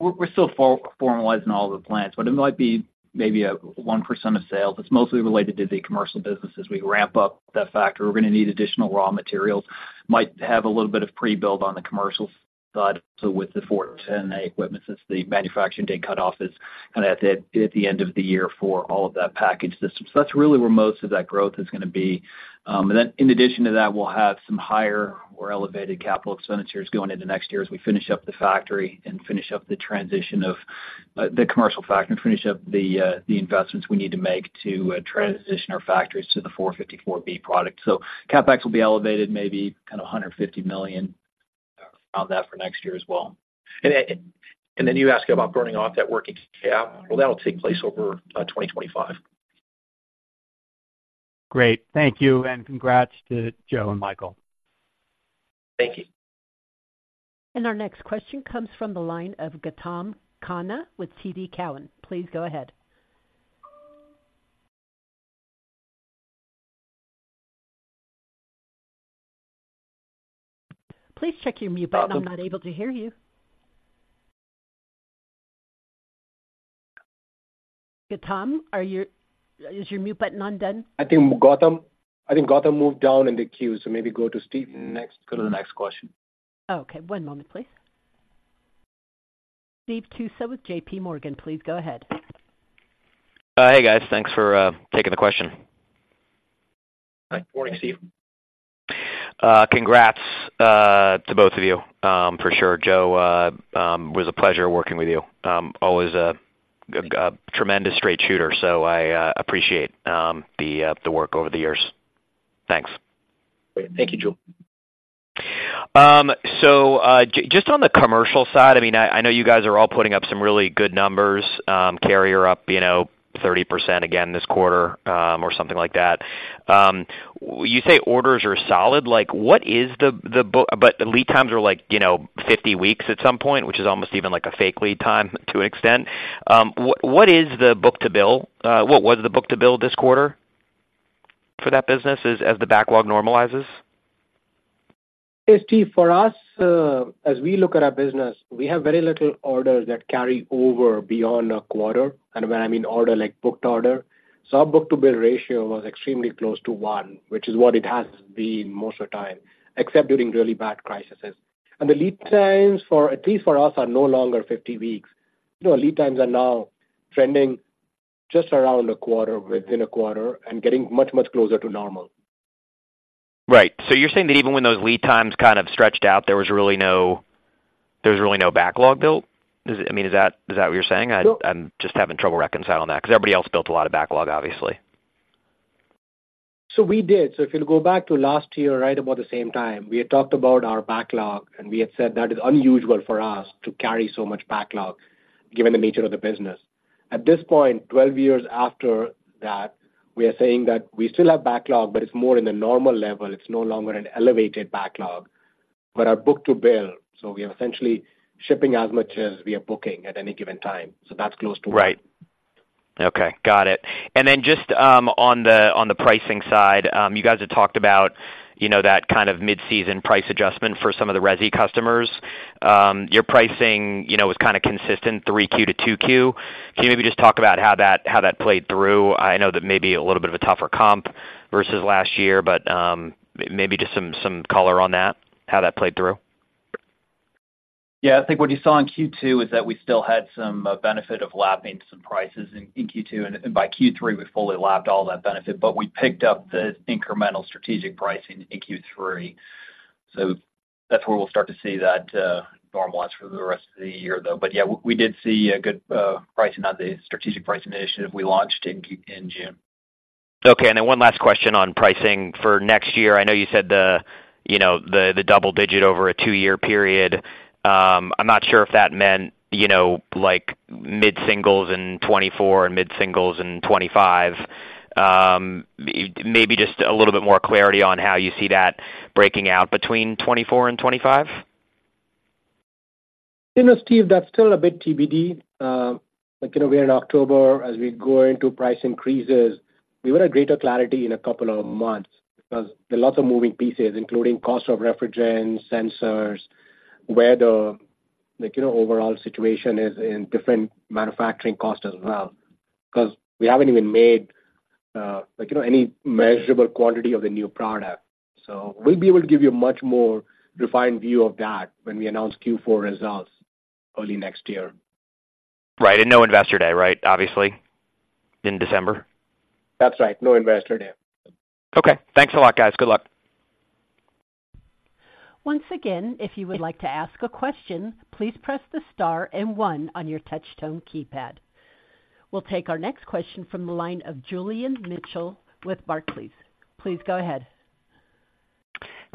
We're still formalizing all the plans, but it might be maybe a 1% of sales. It's mostly related to the commercial business. As we ramp up that factory, we're gonna need additional raw materials. Might have a little bit of pre-build on the commercial side, with the R-410A equipment, since the manufacturing day cut-off is kind of at the end of the year for all of that package system. That's really where most of that growth is gonna be. In addition to that, we'll have some higher or elevated capital expenditures going into next year as we finish up the factory and finish up the transition of the commercial factory, finish up the investments we need to make to transition our factories to the R-454B product. So CapEx will be elevated, maybe kind of $150 million on that for next year as well. And then you ask about burning off that working cap. Well, that'll take place over 2025. Great. Thank you, and congrats to Joe and Michael. Thank you. Our next question comes from the line of Gautam Khanna with TD Cowen. Please go ahead. Please check your mute button. I'm not able to hear you. Gautam, are you-- is your mute button on done? I think Gautam, I think Gautam moved down in the queue, so maybe go to Steve next, go to the next question. Okay, one moment, please. Steve Tusa with JP Morgan, please go ahead. Hey, guys. Thanks for taking the question. Hi. Good morning, Steve. Congrats to both of you, for sure. Joe, it was a pleasure working with you. Always a tremendous straight shooter, so I appreciate the work over the years. Thanks. Thank you, Joel. So, just on the commercial side, I mean, I know you guys are all putting up some really good numbers. Carrier up, you know, 30% again this quarter, or something like that. You say orders are solid, like, but the lead times are like, you know, 50 weeks at some point, which is almost even like a fake lead time to an extent. What is the book to bill? What was the book to bill this quarter for that business as the backlog normalizes? Hey, Steve, for us, as we look at our business, we have very little orders that carry over beyond a quarter, and when I mean order, like, booked order. So our book to bill ratio was extremely close to one, which is what it has been most of the time, except during really bad crises. And the lead times for, at least for us, are no longer 50 weeks. You know, lead times are now trending just around a quarter, within a quarter and getting much, much closer to normal. Right. So you're saying that even when those lead times kind of stretched out, there was really no, there was really no backlog built? I mean, is that, is that what you're saying? No- I'm just having trouble reconciling that, 'cause everybody else built a lot of backlog, obviously. So we did. So if you'll go back to last year, right about the same time, we had talked about our backlog, and we had said that is unusual for us to carry so much backlog, given the nature of the business. At this point, twelve years after that, we are saying that we still have backlog, but it's more in the normal level. It's no longer an elevated backlog, but our book to bill, so we are essentially shipping as much as we are booking at any given time. So that's close to- Right. Okay, got it. And then just, on the, on the pricing side, you guys have talked about, you know, that kind of mid-season price adjustment for some of the resi customers. Your pricing, you know, was kind of consistent, 3Q to 2Q. Can you maybe just talk about how that, how that played through? I know that may be a little bit of a tougher comp versus last year, but, maybe just some, some color on that, how that played through. Yeah. I think what you saw in Q2 is that we still had some benefit of lapping some prices in Q2, and by Q3, we fully lapped all that benefit, but we picked up the incremental strategic pricing in Q3. So that's where we'll start to see that normalize for the rest of the year, though. But yeah, we did see a good pricing on the strategic pricing initiative we launched in June. Okay, and then one last question on pricing. For next year, I know you said the, you know, the double digit over a two-year period. I'm not sure if that meant, you know, like mid-singles in 2024 and mid-singles in 2025. Maybe just a little bit more clarity on how you see that breaking out between 2024 and 2025. You know, Steve, that's still a bit TBD. Like, you know, we're in October, as we go into price increases, we want a greater clarity in a couple of months because there are lots of moving pieces, including cost of refrigerants, sensors, where the, like, you know, overall situation is in different manufacturing costs as well. 'Cause we haven't even made, like, you know, any measurable quantity of the new product. So we'll be able to give you a much more refined view of that when we announce Q4 results early next year. Right. No investor day, right? Obviously, in December. That's right. No investor day. Okay. Thanks a lot, guys. Good luck. Once again, if you would like to ask a question, please press the star and one on your touch tone keypad. We'll take our next question from the line of Julian Mitchell with Barclays. Please go ahead.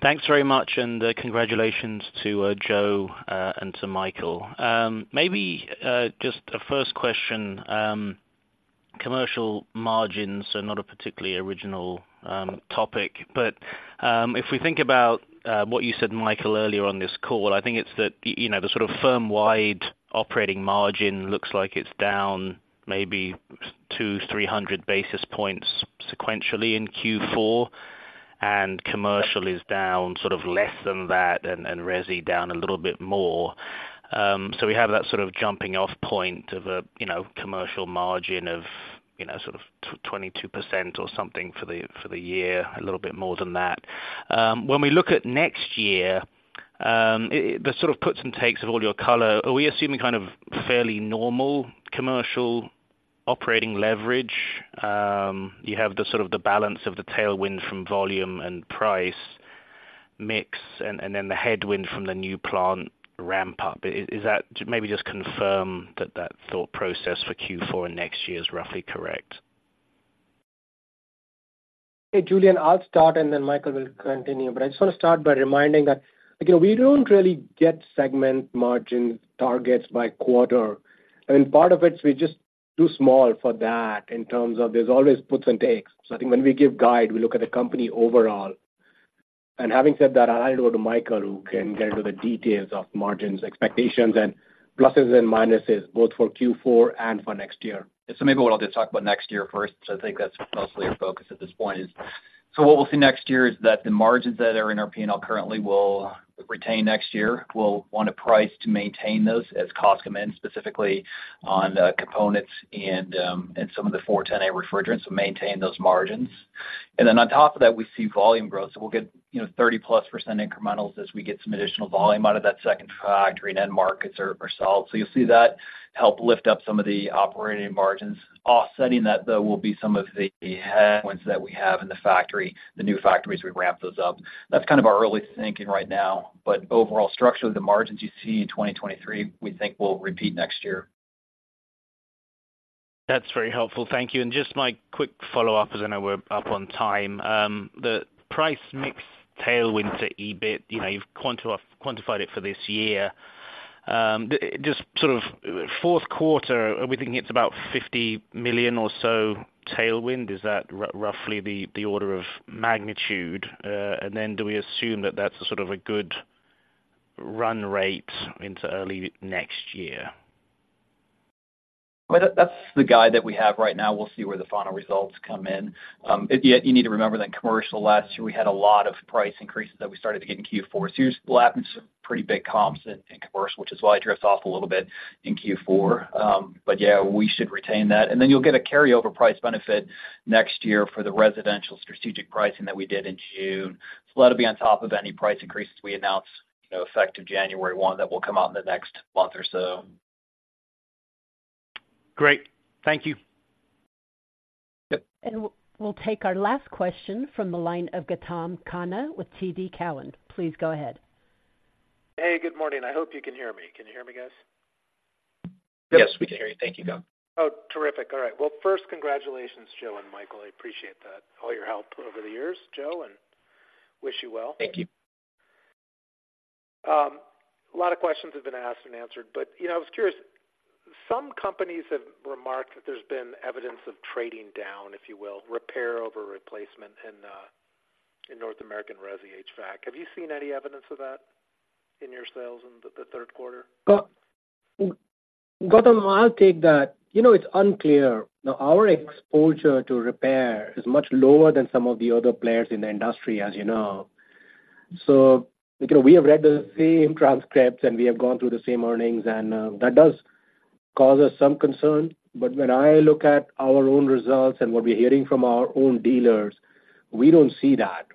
Thanks very much, and congratulations to Joe and to Michael. Maybe just a first question, commercial margins are not a particularly original topic, but if we think about what you said, Michael, earlier on this call, I think it's that, you know, the sort of firm-wide operating margin looks like it's down maybe 200-300 basis points sequentially in Q4, and commercial is down sort of less than that, and resi down a little bit more. So we have that sort of jumping off point of a, you know, commercial margin of, you know, sort of 22% or something for the year, a little bit more than that. When we look at next year, the sort of puts and takes of all your color, are we assuming kind of fairly normal commercial operating leverage? You have the sort of the balance of the tailwind from volume and price, mix, and, and then the headwind from the new plant ramp up. Is that—maybe just confirm that that thought process for Q4 and next year is roughly correct. Hey, Julian, I'll start, and then Michael will continue. But I just want to start by reminding that, you know, we don't really get segment margin targets by quarter. I mean, part of it, we're just too small for that in terms of there's always puts and takes. So I think when we give guide, we look at the company overall. And having said that, I'll go to Michael, who can get into the details of margins, expectations, and pluses and minuses, both for Q4 and for next year. So maybe what I'll just talk about next year first, so I think that's mostly your focus at this point is. So what we'll see next year is that the margins that are in our P&L currently will retain next year. We'll want to price to maintain those as costs come in, specifically on components and some of the R-410A refrigerants to maintain those margins. And then on top of that, we see volume growth. So we'll get, you know, 30%+ incrementals as we get some additional volume out of that second factory, and end markets are sold. So you'll see that help lift up some of the operating margins. Offsetting that, though, will be some of the headwinds that we have in the factory, the new factory, as we ramp those up. That's kind of our early thinking right now, but overall structure of the margins you see in 2023, we think will repeat next year. That's very helpful. Thank you. And just my quick follow-up, as I know we're up on time. The price mix tailwind to EBIT, you know, you've quantified it for this year. Just sort of fourth quarter, are we thinking it's about $50 million or so tailwind? Is that roughly the order of magnitude? And then do we assume that that's a sort of a good run rate into early next year? Well, that, that's the guide that we have right now. We'll see where the final results come in. Yet you need to remember that commercial, last year, we had a lot of price increases that we started to get in Q4. So this year will have some pretty big comps in commercial, which is why it drifts off a little bit in Q4. But yeah, we should retain that. And then you'll get a carryover price benefit next year for the residential strategic pricing that we did in June. So that'll be on top of any price increases we announce, you know, effective January one, that will come out in the next month or so. Great. Thank you. Yep. We'll, we'll take our last question from the line of Gautam Khanna with TD Cowen. Please go ahead. Hey, good morning. I hope you can hear me. Can you hear me, guys? Yes, we can hear you. Thank you, Gautam. Oh, terrific. All right. Well, first, congratulations, Joe and Michael. I appreciate that, all your help over the years, Joe, and wish you well. Thank you. A lot of questions have been asked and answered, but, you know, I was curious. Some companies have remarked that there's been evidence of trading down, if you will, repair over replacement in North American resi HVAC. Have you seen any evidence of that in your sales in the third quarter? Gautam, I'll take that. You know, it's unclear. Now, our exposure to repair is much lower than some of the other players in the industry, as you know. So, you know, we have read the same transcripts, and we have gone through the same earnings, and that does cause us some concern. But when I look at our own results and what we're hearing from our own dealers, we don't see that.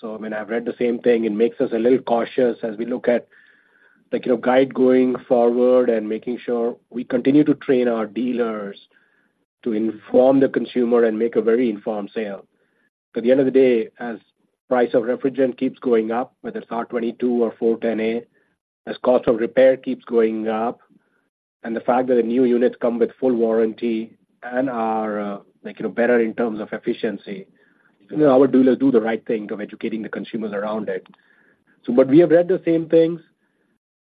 So, I mean, I've read the same thing. It makes us a little cautious as we look at, like, you know, guide going forward and making sure we continue to train our dealers to inform the consumer and make a very informed sale. At the end of the day, as price of refrigerant keeps going up, whether it's R-22 or R-410A, as cost of repair keeps going up, and the fact that the new units come with full warranty and are, like, you know, better in terms of efficiency, you know, our dealers do the right thing of educating the consumers around it. So, but we have read the same things.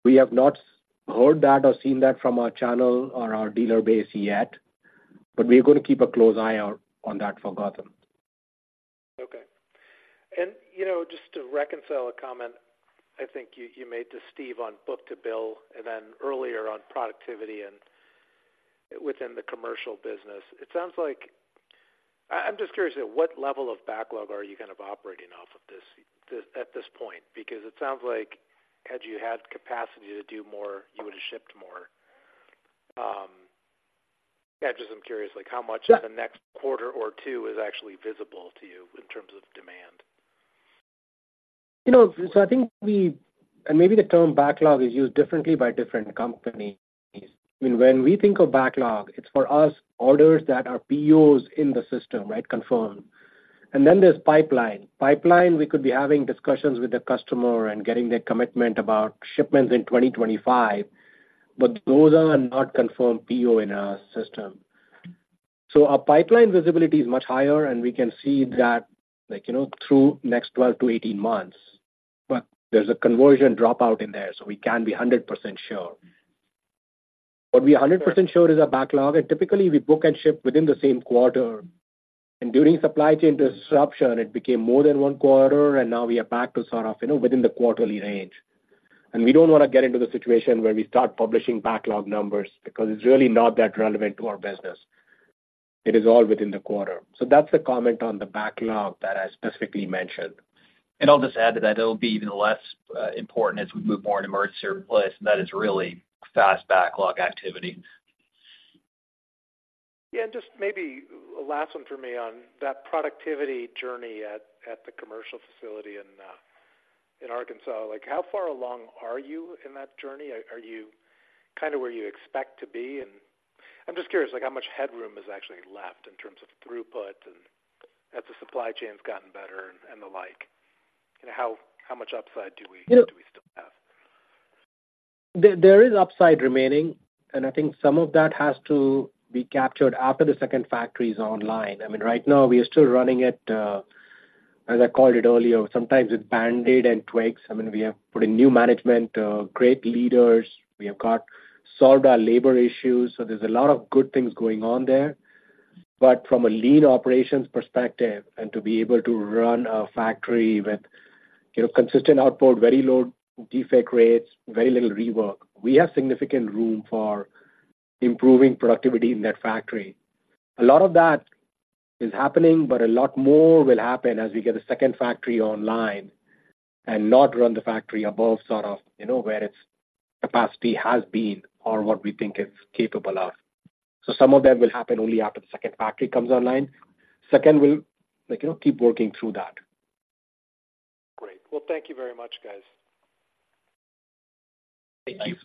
We have not heard that or seen that from our channel or our dealer base yet, but we're gonna keep a close eye out on that for Gautam. Okay. You know, just to reconcile a comment I think you made to Steve on book to bill and then earlier on productivity and within the commercial business. It sounds like I, I'm just curious, at what level of backlog are you kind of operating off of at this point? Because it sounds like had you had capacity to do more, you would have shipped more. Yeah, just I'm curious, like how much of the next quarter or two is actually visible to you in terms of demand? You know, so I think we and maybe the term backlog is used differently by different companies. I mean, when we think of backlog, it's for us, orders that are POs in the system, right? Confirmed. And then there's pipeline. Pipeline, we could be having discussions with the customer and getting their commitment about shipments in 2025, but those are not confirmed PO in our system. So our pipeline visibility is much higher, and we can see that, like, you know, through next 12-18 months. But there's a conversion dropout in there, so we can't be 100% sure. What we're 100% sure is our backlog, and typically, we book and ship within the same quarter. And during supply chain disruption, it became more than one quarter, and now we are back to sort of, you know, within the quarterly range. And we don't wanna get into the situation where we start publishing backlog numbers because it's really not that relevant to our business. It is all within the quarter. So that's the comment on the backlog that I specifically mentioned. I'll just add to that, it'll be even less important as we move more into merge surplus, and that is really fast backlog activity. Yeah, just maybe a last one for me on that productivity journey at the commercial facility in Arkansas. Like, how far along are you in that journey? Are you kind of where you expect to be? And I'm just curious, like, how much headroom is actually left in terms of throughput and as the supply chain's gotten better and the like, and how much upside do we- You know- Do we still have? There is upside remaining, and I think some of that has to be captured after the second factory is online. I mean, right now we are still running it, as I called it earlier, sometimes with Band-Aid and twigs. I mean, we have put in new management, great leaders. We have got solved our labor issues, so there's a lot of good things going on there. But from a lean operations perspective and to be able to run a factory with, you know, consistent output, very low defect rates, very little rework, we have significant room for improving productivity in that factory. A lot of that is happening, but a lot more will happen as we get a second factory online and not run the factory above, sort of, you know, where its capacity has been or what we think it's capable of. Some of that will happen only after the second factory comes online. Second, we'll, like, you know, keep working through that. Great. Well, thank you very much, guys. Thank you.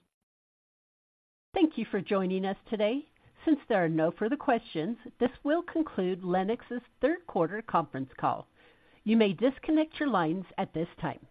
Thank you for joining us today. Since there are no further questions, this will conclude Lennox's third quarter conference call. You may disconnect your lines at this time.